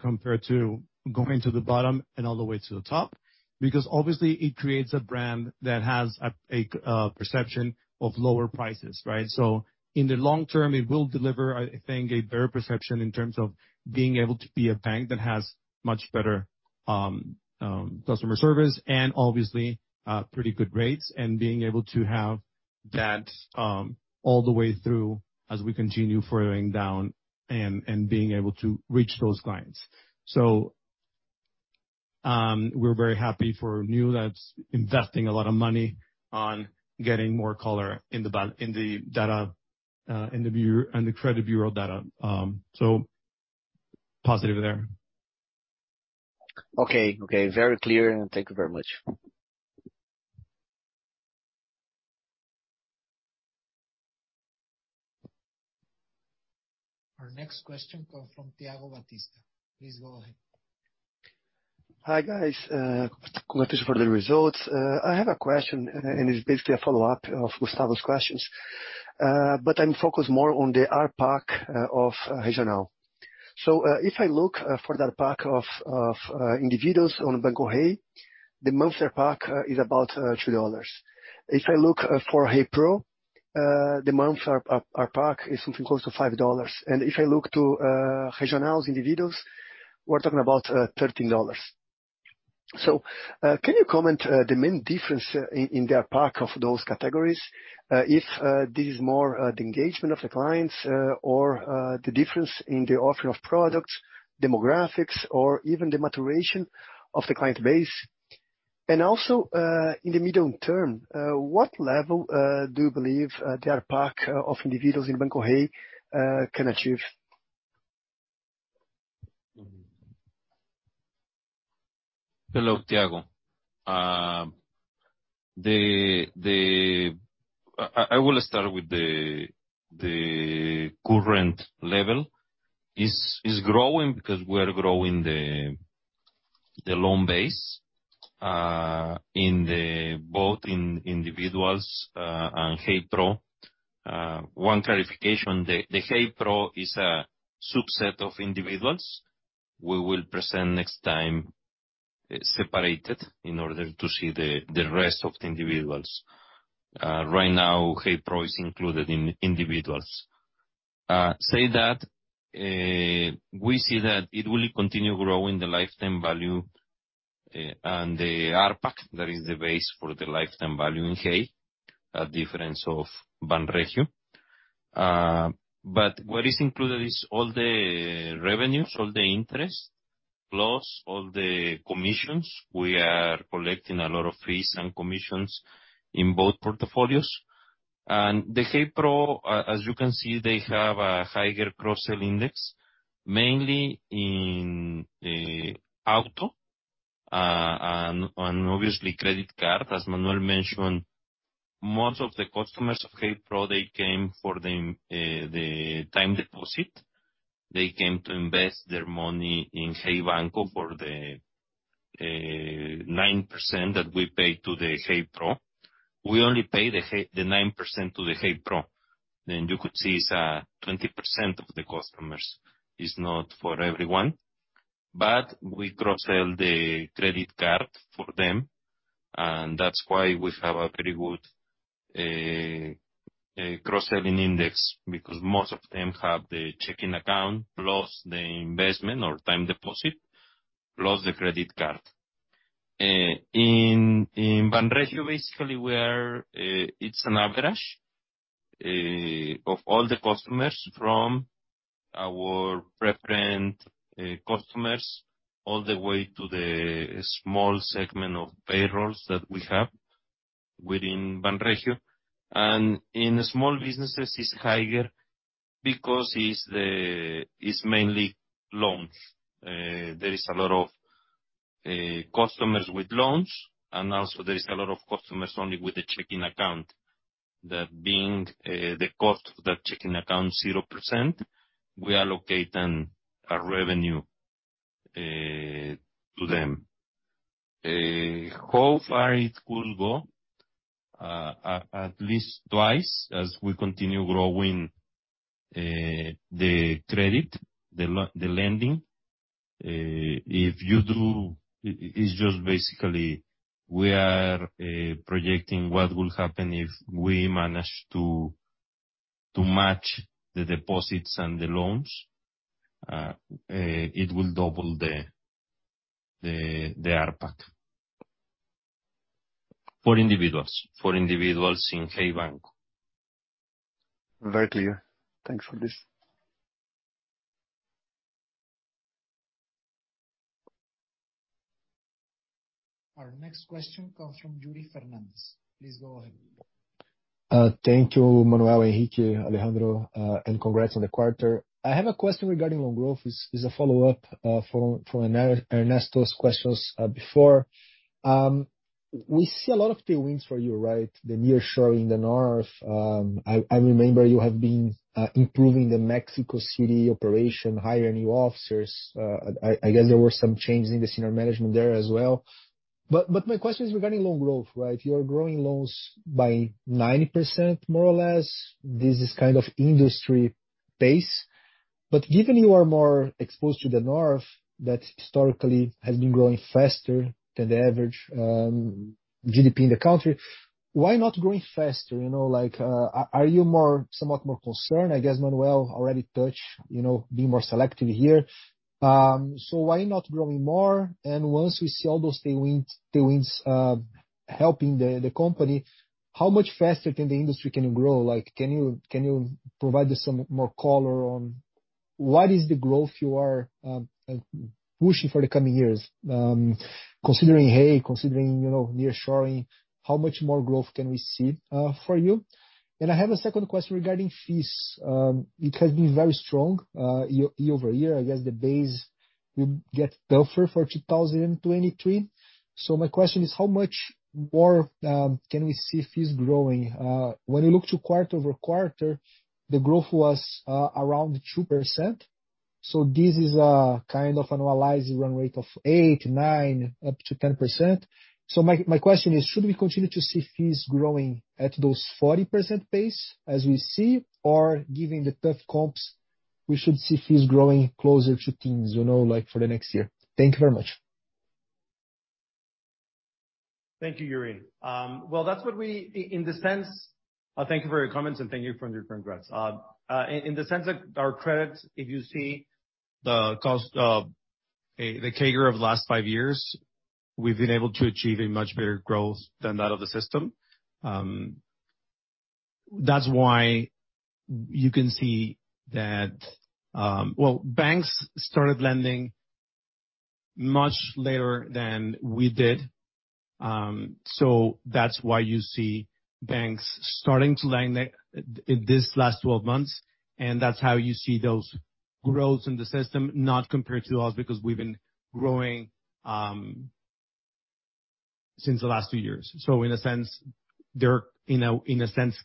compared to going to the bottom and all the way to the top. Because obviously, it creates a brand that has a perception of lower prices, right? In the long term, it will deliver, I think, a better perception in terms of being able to be a bank that has much better costs. Customer service and obviously pretty good rates and being able to have that all the way through as we continue furthering down and being able to reach those clients. We're very happy for NPLs investing a lot of money on getting more color in the data in the credit bureau data. Positive there. Okay. Okay, very clear. Thank you very much. Our next question comes from Thiago Batista. Please go ahead. Hi, guys. Congratulations for the results. I have a question, and it's basically a follow-up of Gustavo's questions. I'm focused more on the ARPAC of Regional. If I look for Hey Individuals on Hey Banco, the monthly ARPAC is about $2. If I look for Hey Pro, the monthly ARPAC is something close to $5. If I look at Regional's individuals, we're talking about $13. Can you comment the main difference in the ARPAC of those categories, if this is more the engagement of the clients, or the difference in the offering of products, demographics, or even the maturation of the client base? In the medium term, what level do you believe the ARPAC of individuals in Hey Banco can achieve? Hello, Tito Labarta. I wanna start with the current level. It is growing because we are growing the loan base in both individuals and Hey Pro. One clarification, the Hey Pro is a subset of individuals. We will present next time separated in order to see the rest of the individuals. Right now, Hey Pro is included in individuals. That we see that it will continue growing the lifetime value and the ARPAC, that is the base for the lifetime value in Hey, different from Banregio. But what is included is all the revenues, all the interest, plus all the commissions. We are collecting a lot of fees and commissions in both portfolios. The Hey Pro, as you can see, they have a higher cross-sell index, mainly in auto, and obviously credit card. As Manuel mentioned, most of the customers of Hey Pro, they came for the time deposit. They came to invest their money in Hey Banco for the 9% that we pay to the Hey Pro. We only pay the 9% to the Hey Pro. You could see it's 20% of the customers, is not for everyone. We cross-sell the credit card for them, and that's why we have a pretty good cross-selling index, because most of them have the checking account, plus the investment or time deposit, plus the credit card. In Banregio, basically it's an average of all the customers from our preferred customers, all the way to the small segment of payrolls that we have within Banregio. In small businesses, it's higher because it's mainly loans. There is a lot of customers with loans, and also there is a lot of customers only with a checking account. That being the cost of that checking account 0%, we are allocating a revenue to them. How far it will go, at least twice as we continue growing the credit, the lending. If you do it's just basically we are projecting what will happen if we manage to match the deposits and the loans. It will double the ARPAC. For individuals in Hey Banco. Very clear. Thanks for this. Our next question comes from Yuri Fernandes. Please go ahead. Thank you, Manuel, Enrique, Alejandro, and congrats on the quarter. I have a question regarding loan growth. It's a follow-up from Ernesto's questions before. We see a lot of tailwinds for you, right? The nearshoring, the North. I remember you have been improving the Mexico City operation, hiring new officers. I guess there were some changes in the senior management there as well. But my question is regarding loan growth, right? You are growing loans by 90% more or less. This is kind of industry pace. But given you are more exposed to the North, that historically has been growing faster than the average GDP in the country. Why not growing faster? You know, like, are you somewhat more concerned? I guess Manuel already touched, you know, being more selective here. Why not growing more? Once we see all those tailwinds helping the company, how much faster can the industry grow? Like, can you provide us some more color on what is the growth you are pushing for the coming years, considering Hey, you know, near-shoring, how much more growth can we see for you? I have a second question regarding fees. It has been very strong year-over-year. I guess the base will get tougher for 2023. My question is how much more can we see fees growing? When you look to quarter-over-quarter, the growth was around 2%, so this is a kind of annualized run rate of 8, 9, up to 10%. My question is should we continue to see fees growing at those 40% pace as we see, or given the tough comps, we should see fees growing closer to teens, you know, like for the next year? Thank you very much. Thank you, Yuri. Thank you for your comments, and thank you for your congrats. In the sense of our credits, if you see the CAGR of the last 5 years, we've been able to achieve a much better growth than that of the system. That's why you can see that. Well, banks started lending much later than we did, so that's why you see banks starting to lend this last 12 months, and that's how you see those growths in the system not compared to us, because we've been growing since the last 2 years. In a sense, they're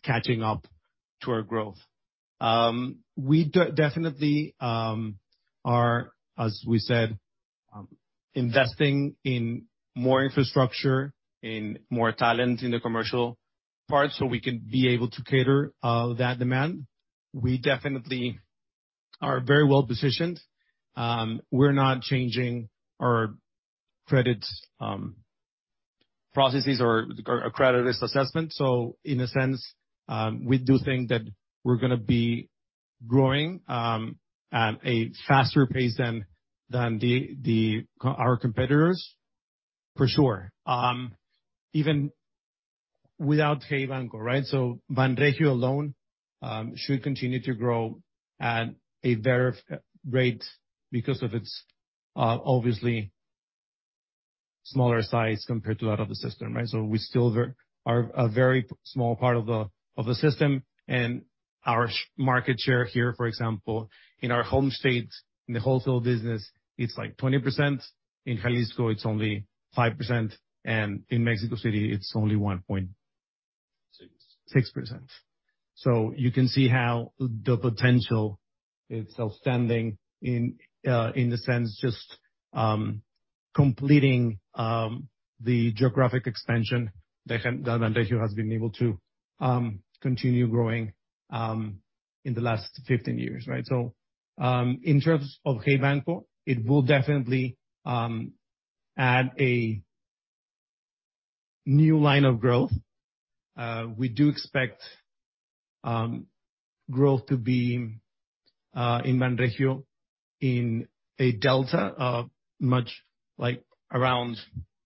catching up to our growth. We definitely are, as we said, investing in more infrastructure, in more talent in the commercial part, so we can be able to cater that demand. We definitely are very well-positioned. We're not changing our credit processes or credit risk assessment, so in a sense, we do think that we're gonna be growing at a faster pace than our competitors for sure, even without Hey Banco, right? Banregio alone should continue to grow at a better rate because of its obviously smaller size compared to that of the system, right? We still are a very small part of the system, and our market share here, for example, in our home state, in the wholesale business, it's like 20%. In Jalisco, it's only 5%, and in Mexico City, it's only one point- Six. 6%. You can see how the potential is outstanding in the sense just completing the geographic expansion that Banregio has been able to continue growing in the last 15 years, right? In terms of Hey Banco, it will definitely add a new line of growth. We do expect growth to be in Banregio in a delta of much like around,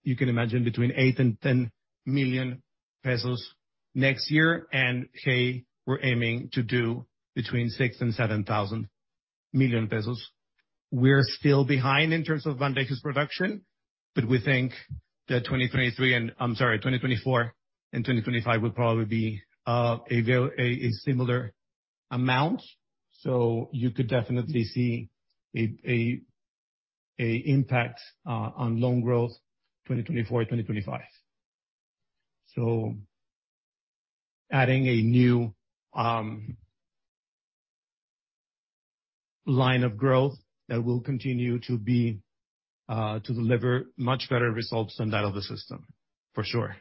you can imagine between 8 million and 10 million pesos next year, and Hey, we're aiming to do between 6 thousand million pesos and MXN 7 thousand million. We're still behind in terms of Banregio's production, but we think that 2024 and 2025 will probably be a similar amount. You could definitely see an impact on loan growth, 2024, 2025. Adding a new line of growth that will continue to be to deliver much better results than that of the system for sure.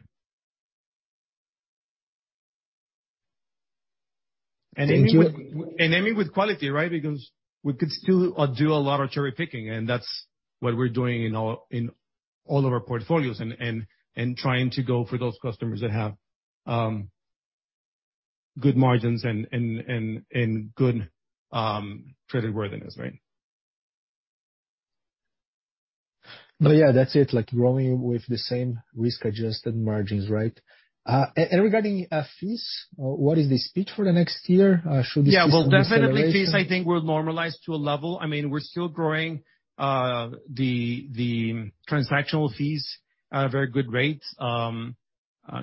Thank you. Aiming with quality, right? Because we could still do a lot of cherry-picking, and that's what we're doing in all of our portfolios and trying to go for those customers that have good margins and good creditworthiness, right? No, yeah. That's it. Like growing with the same risk-adjusted margins, right? And regarding fees, what is the spend for the next year? Should we see some deceleration? Yeah. Well, definitely fees, I think we're normalized to a level. I mean, we're still growing the transactional fees at a very good rate.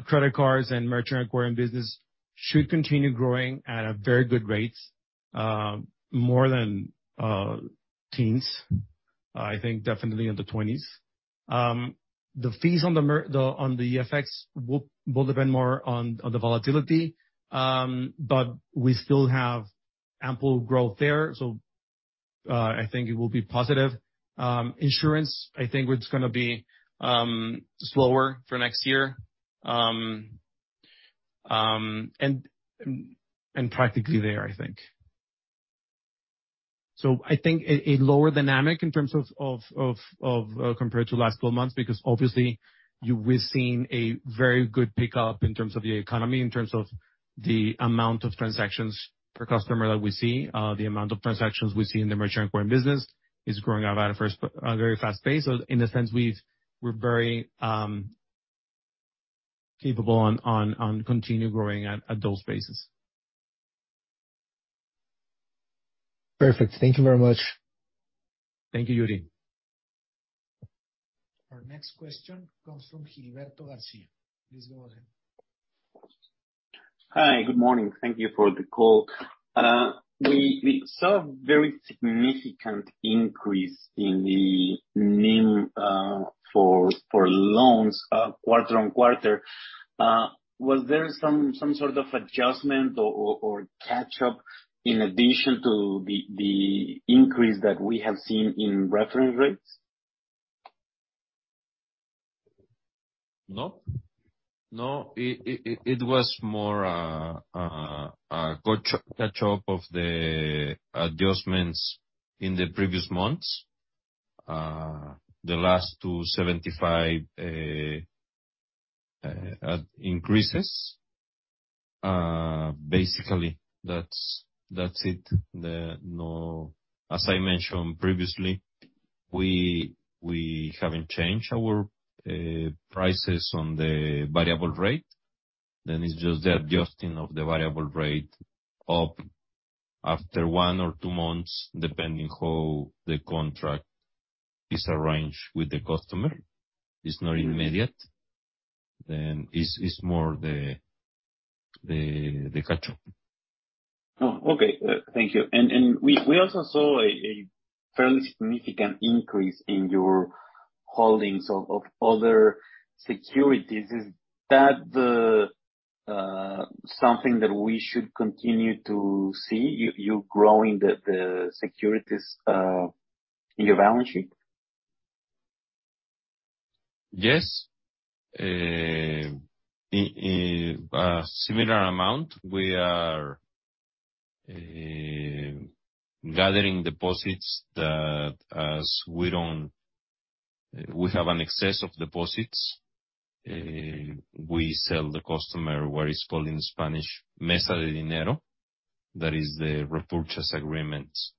Credit cards and merchant acquiring business should continue growing at a very good rate, more than teens. I think definitely in the twenties. The fees on the FX will depend more on the volatility, but we still have ample growth there, so I think it will be positive. Insurance, I think it's gonna be slower for next year. Practically there, I think. I think a lower dynamic in terms of compared to last 12 months, because obviously we're seeing a very good pickup in terms of the economy, in terms of the amount of transactions per customer that we see. The amount of transactions we see in the merchant acquiring business is growing up at a very fast pace. In a sense, we're very capable on continue growing at those bases. Perfect. Thank you very much. Thank you, Yuri. Our next question comes from Gilberto Garcia. Please go ahead. Hi, good morning. Thank you for the call. We saw a very significant increase in the NIM for loans quarter-on-quarter. Was there some sort of adjustment or catch-up in addition to the increase that we have seen in reference rates? No. No. It was more a catch-up of the adjustments in the previous months. The last 275 increases. Basically that's it. No. As I mentioned previously, we haven't changed our prices on the variable rate, and it's just the adjusting of the variable rate up after one or two months, depending how the contract is arranged with the customer. It's not immediate. It's more the catch-up. Okay. Thank you. We also saw a fairly significant increase in your holdings of other securities. Is that something that we should continue to see, you growing the securities in your balance sheet? Yes. In a similar amount, we are gathering deposits. We have an excess of deposits. We sell to the customer what is called in Spanish mesa de dinero. That is the repurchase agreements.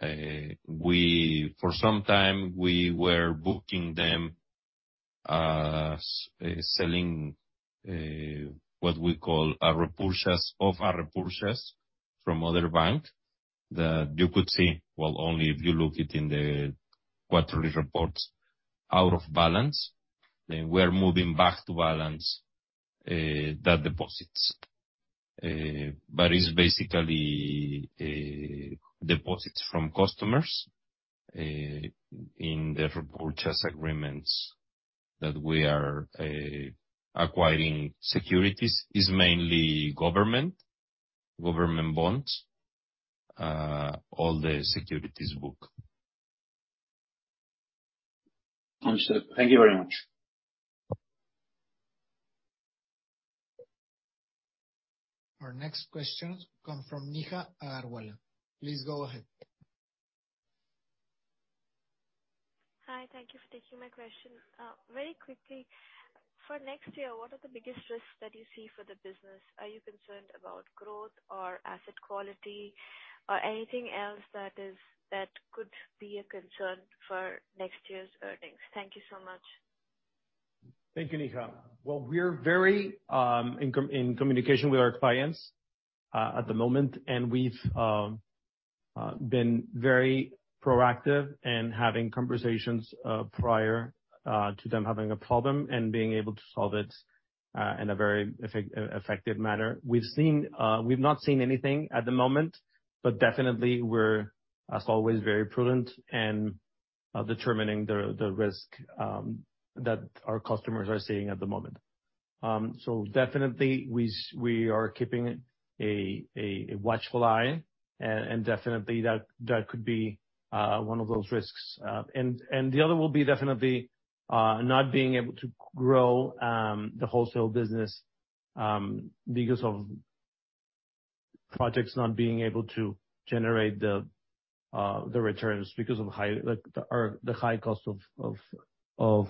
For some time, we were booking them, selling what we call a repurchase or a repurchase from other banks that you could see, well, only if you look at it in the quarterly reports off-balance sheet. Then we're moving back to on-balance sheet those deposits. It's basically deposits from customers in the repurchase agreements that we are acquiring securities. It's mainly government bonds, all the securities booked. Understood. Thank you very much. Our next question come from Neha Agarwala. Please go ahead. Hi, thank you for taking my question. Very quickly, for next year, what are the biggest risks that you see for the business? Are you concerned about growth or asset quality or anything else that could be a concern for next year's earnings? Thank you so much. Thank you, Neha. Well, we're very in communication with our clients at the moment, and we've been very proactive in having conversations prior to them having a problem and being able to solve it in a very effective manner. We haven't seen anything at the moment, but definitely we're, as always, very prudent in determining the risk that our customers are seeing at the moment. Definitely we are keeping a watchful eye and definitely that could be one of those risks. The other will be definitely not being able to grow the wholesale business because of projects not being able to generate the returns because of high, like, or the high cost of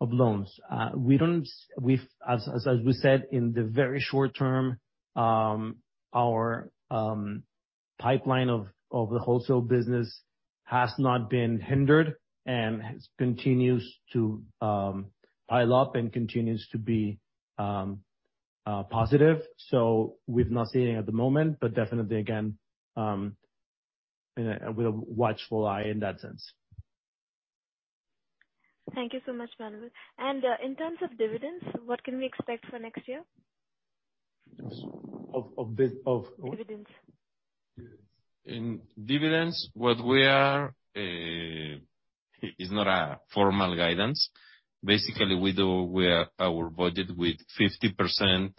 loans. As we said, in the very short term, our pipeline of the wholesale business has not been hindered and continues to pile up and continues to be positive. We've not seen it at the moment, but definitely again, and with a watchful eye in that sense. Thank you so much, Manuel. In terms of dividends, what can we expect for next year? Of what? Dividends. In dividends, what we are is not a formal guidance. Basically, we have our budget with 50%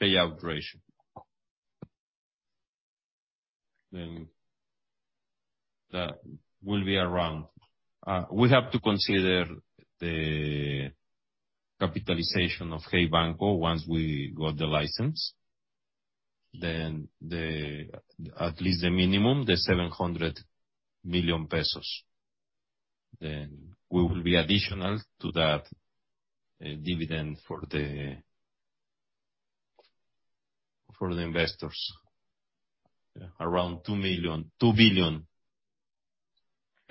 payout ratio. That will be around, we have to consider the capitalization of Hey Banco once we got the license. At least the minimum, 700 million pesos. We will be additional to that, dividend for the investors. Around MXN 2 billion.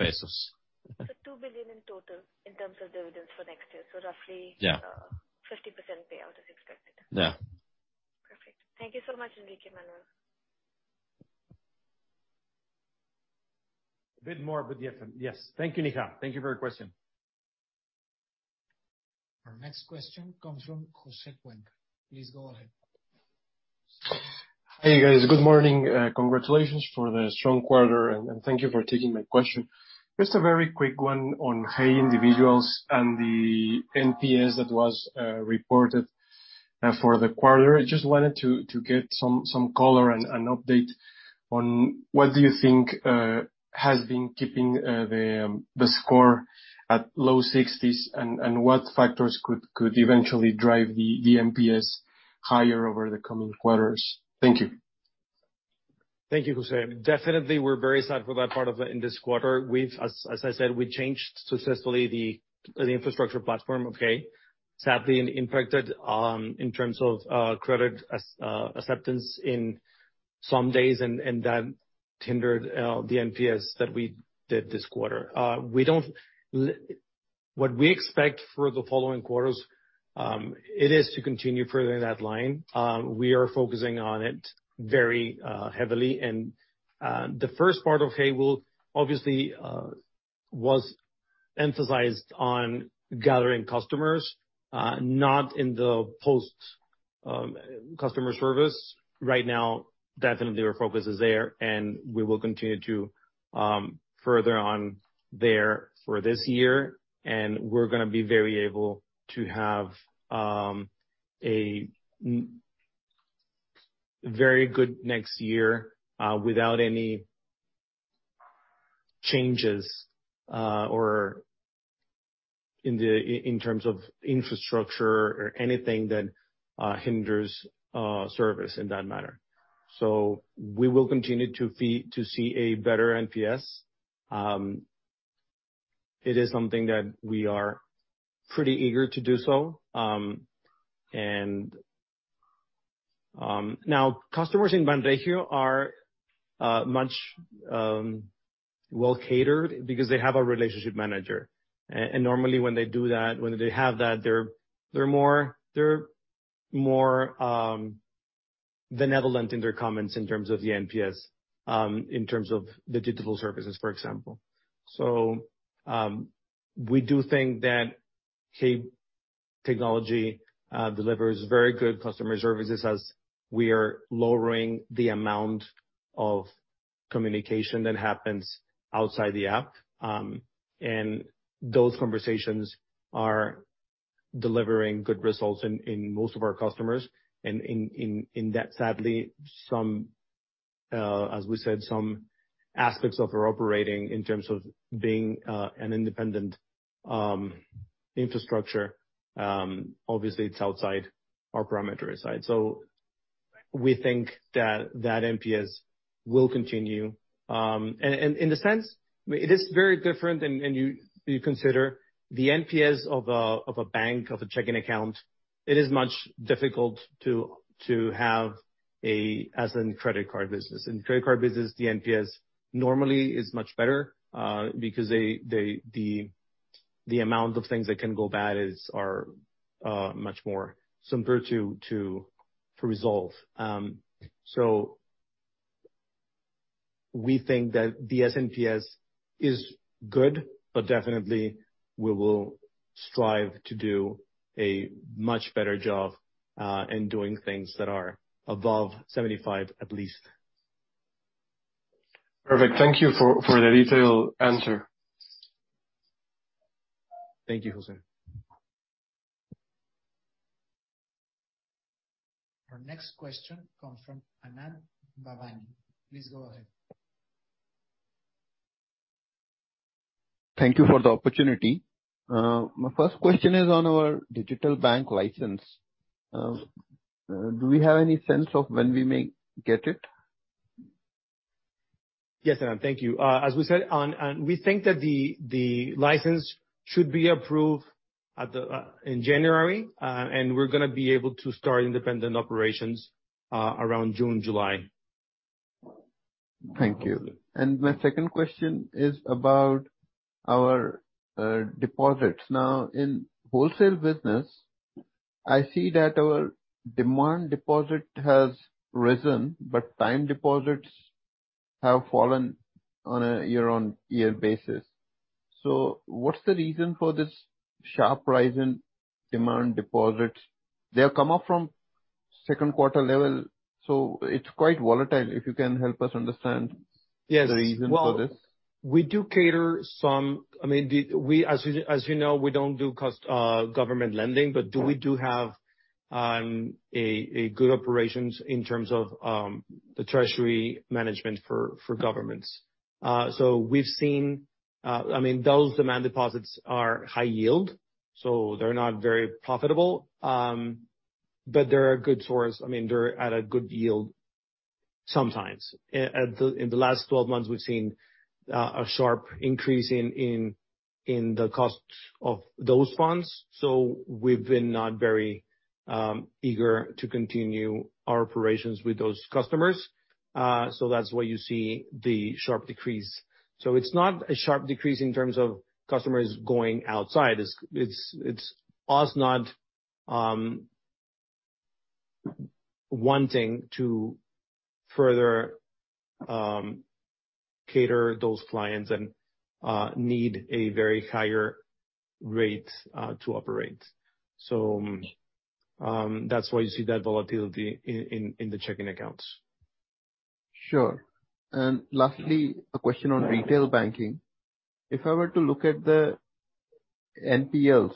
MXN 2 billion in total in terms of dividends for next year. Yeah. 50% payout is expected. Yeah. Perfect. Thank you so much, Enrique, Manuel. A bit more, but yes. Yes. Thank you, Neha. Thank you for your question. Our next question comes from Jose Yong. Please go ahead. Hey, guys. Good morning. Congratulations for the strong quarter, and thank you for taking my question. Just a very quick one on Hey Individuals and the NPS that was reported for the quarter. I just wanted to get some color and update on what do you think has been keeping the score at low sixties and what factors could eventually drive the NPS higher over the coming quarters? Thank you. Thank you, José. Definitely, we're very sad for that part of it in this quarter. As I said, we changed successfully the infrastructure platform, okay? Sadly, it impacted in terms of credit acceptance in some days and that hindered the NPS that we did this quarter. What we expect for the following quarters, it is to continue further in that line. We are focusing on it very heavily. The first part of Hey will obviously was emphasized on gathering customers, not in the post customer service. Right now, definitely our focus is there, and we will continue to further on there for this year. We're gonna be very able to have a very good next year without any changes or in terms of infrastructure or anything that hinders service in that manner. We will continue to see a better NPS. It is something that we are pretty eager to do so. Now customers in Banregio are much well catered because they have a relationship manager. Normally when they do that, when they have that, they're more benevolent in their comments in terms of the NPS in terms of the digital services, for example. We do think that Hey Tech delivers very good customer services as we are lowering the amount of communication that happens outside the app. Those conversations are delivering good results in most of our customers. In that, sadly, some aspects of our operations in terms of being an independent infrastructure, obviously it's outside our parameters aside. We think that NPS will continue. In a sense, it is very different and you consider the NPS of a bank, of a checking account, it is much more difficult to have as in credit card business. In credit card business, the NPS normally is much better because the amount of things that can go bad are much simpler to resolve. We think that the NPS is good, but definitely we will strive to do a much better job in doing things that are above 75 at least. Perfect. Thank you for the detailed answer. Thank you, José. Our next question comes from Anand Bhavnani. Please go ahead. Thank you for the opportunity. My first question is on our digital bank license. Do we have any sense of when we may get it? Yes, Anand, thank you. As we said, and we think that the license should be approved in January, and we're gonna be able to start independent operations around June, July. Thank you. My second question is about our deposits. Now, in wholesale business, I see that our demand deposit has risen, but time deposits have fallen on a year-on-year basis. What's the reason for this sharp rise in demand deposits? They're coming from second quarter level, it's quite volatile. If you can help us understand. Yes. the reason for this. Well, as you know, we don't do government lending, but we do have good operations in terms of the treasury management for governments. We've seen. I mean, those demand deposits are high yield, so they're not very profitable. But they're a good source. I mean, they're at a good yield sometimes. In the last 12 months, we've seen a sharp increase in the cost of those funds. We've been not very eager to continue our operations with those customers, so that's why you see the sharp decrease. It's not a sharp decrease in terms of customers going outside. It's us not wanting to further cater those clients and need a very higher rate to operate. That's why you see that volatility in the checking accounts. Sure. Lastly, a question on retail banking. If I were to look at the NPLs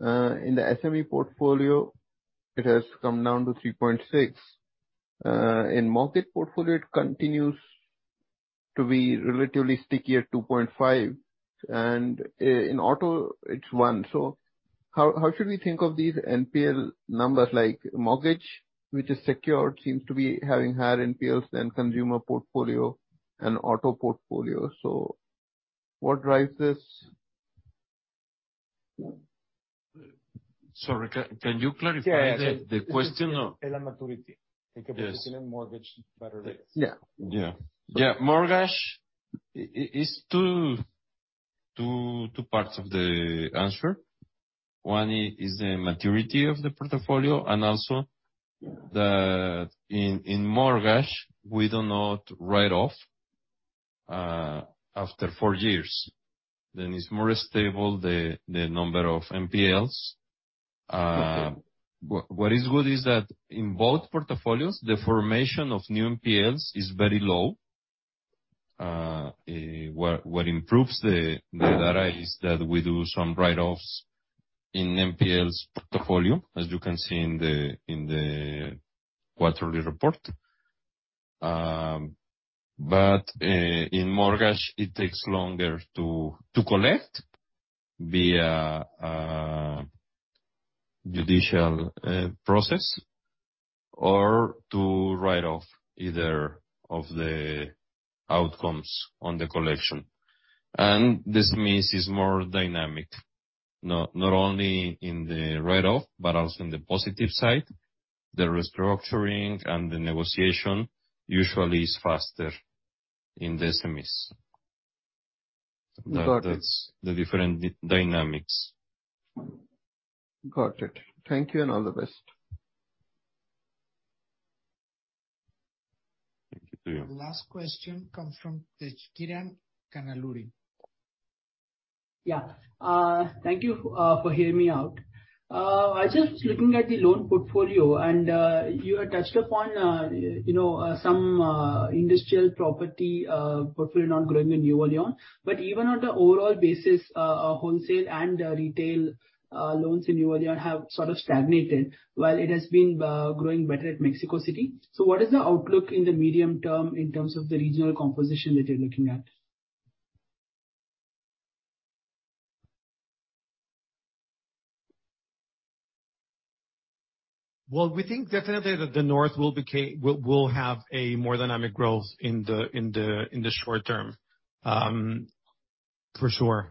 in the SME portfolio, it has come down to 3.6%. In mortgage portfolio, it continues to be relatively stickier at 2.5%. In auto, it's 1%. How should we think of these NPL numbers? Like mortgage, which is secured, seems to be having higher NPLs than consumer portfolio and auto portfolio. What drives this? Sorry, can you clarify the question? Yeah. Yeah. Mortgage is two parts of the answer. One is the maturity of the portfolio, and also in mortgage, we do not write off after four years. Then it's more stable, the number of NPLs. What is good is that in both portfolios, the formation of new NPLs is very low. What improves the data is that we do some write-offs in NPLs portfolio, as you can see in the quarterly report. In mortgage, it takes longer to collect via judicial process or to write off either of the outcomes on the collection. This means it's more dynamic, not only in the write-off, but also in the positive side. The restructuring and the negotiation usually is faster in the SMEs. Got it. The different dynamics. Got it. Thank you, and all the best. Thank you to you. Last question comes from Tejkiran Kanukuntla. Yeah. Thank you for hearing me out. I just looking at the loan portfolio, and you had touched upon you know some industrial property portfolio not growing in Nuevo León. Even on the overall basis, wholesale and retail loans in Nuevo León have sort of stagnated, while it has been growing better at Mexico City. What is the outlook in the medium term in terms of the regional composition that you're looking at? Well, we think definitely that the North will have a more dynamic growth in the short term. For sure.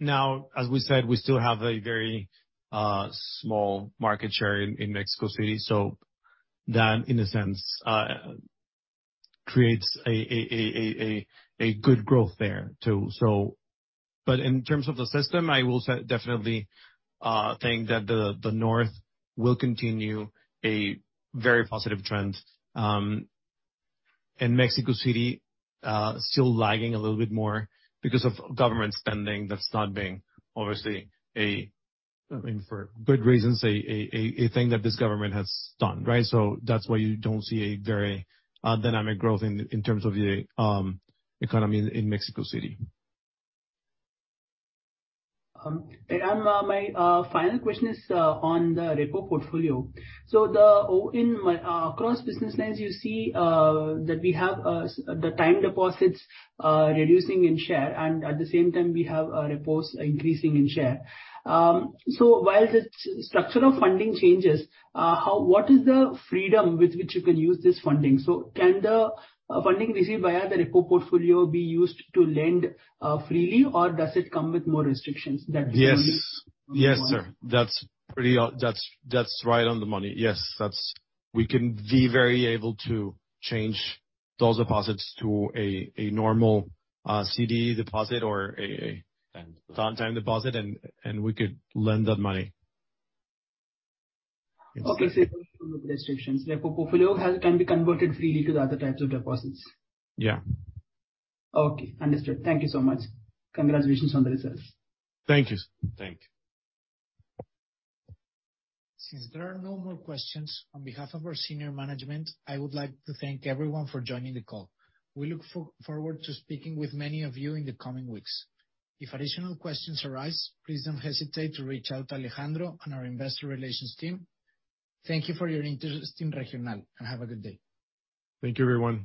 Now, as we said, we still have a very small market share in Mexico City, so that, in a sense, creates a good growth there, too. In terms of the system, I will say definitely think that the North will continue a very positive trend, and Mexico City still lagging a little bit more because of government spending that's not being obviously, I mean, for good reasons, a thing that this government has done, right? That's why you don't see a very dynamic growth in terms of the economy in Mexico City. My final question is on the repo portfolio. The own in my cross business lines, you see that we have the time deposits reducing in share, and at the same time, we have our repos increasing in share. While the structure of funding changes, what is the freedom with which you can use this funding? Can the funding received via the repo portfolio be used to lend freely, or does it come with more restrictions than- Yes. Yes, sir. That's right on the money. Yes, we can be very able to change those deposits to a normal CD deposit or a time deposit, and we could lend that money. Restrictions. Repo portfolio can be converted freely to the other types of deposits. Yeah. Okay. Understood. Thank you so much. Congratulations on the results. Thank you. Thank you. Since there are no more questions, on behalf of our senior management, I would like to thank everyone for joining the call. We look forward to speaking with many of you in the coming weeks. If additional questions arise, please don't hesitate to reach out to Alejandro and our investor relations team. Thank you for your interest in Regional, and have a good day. Thank you, everyone.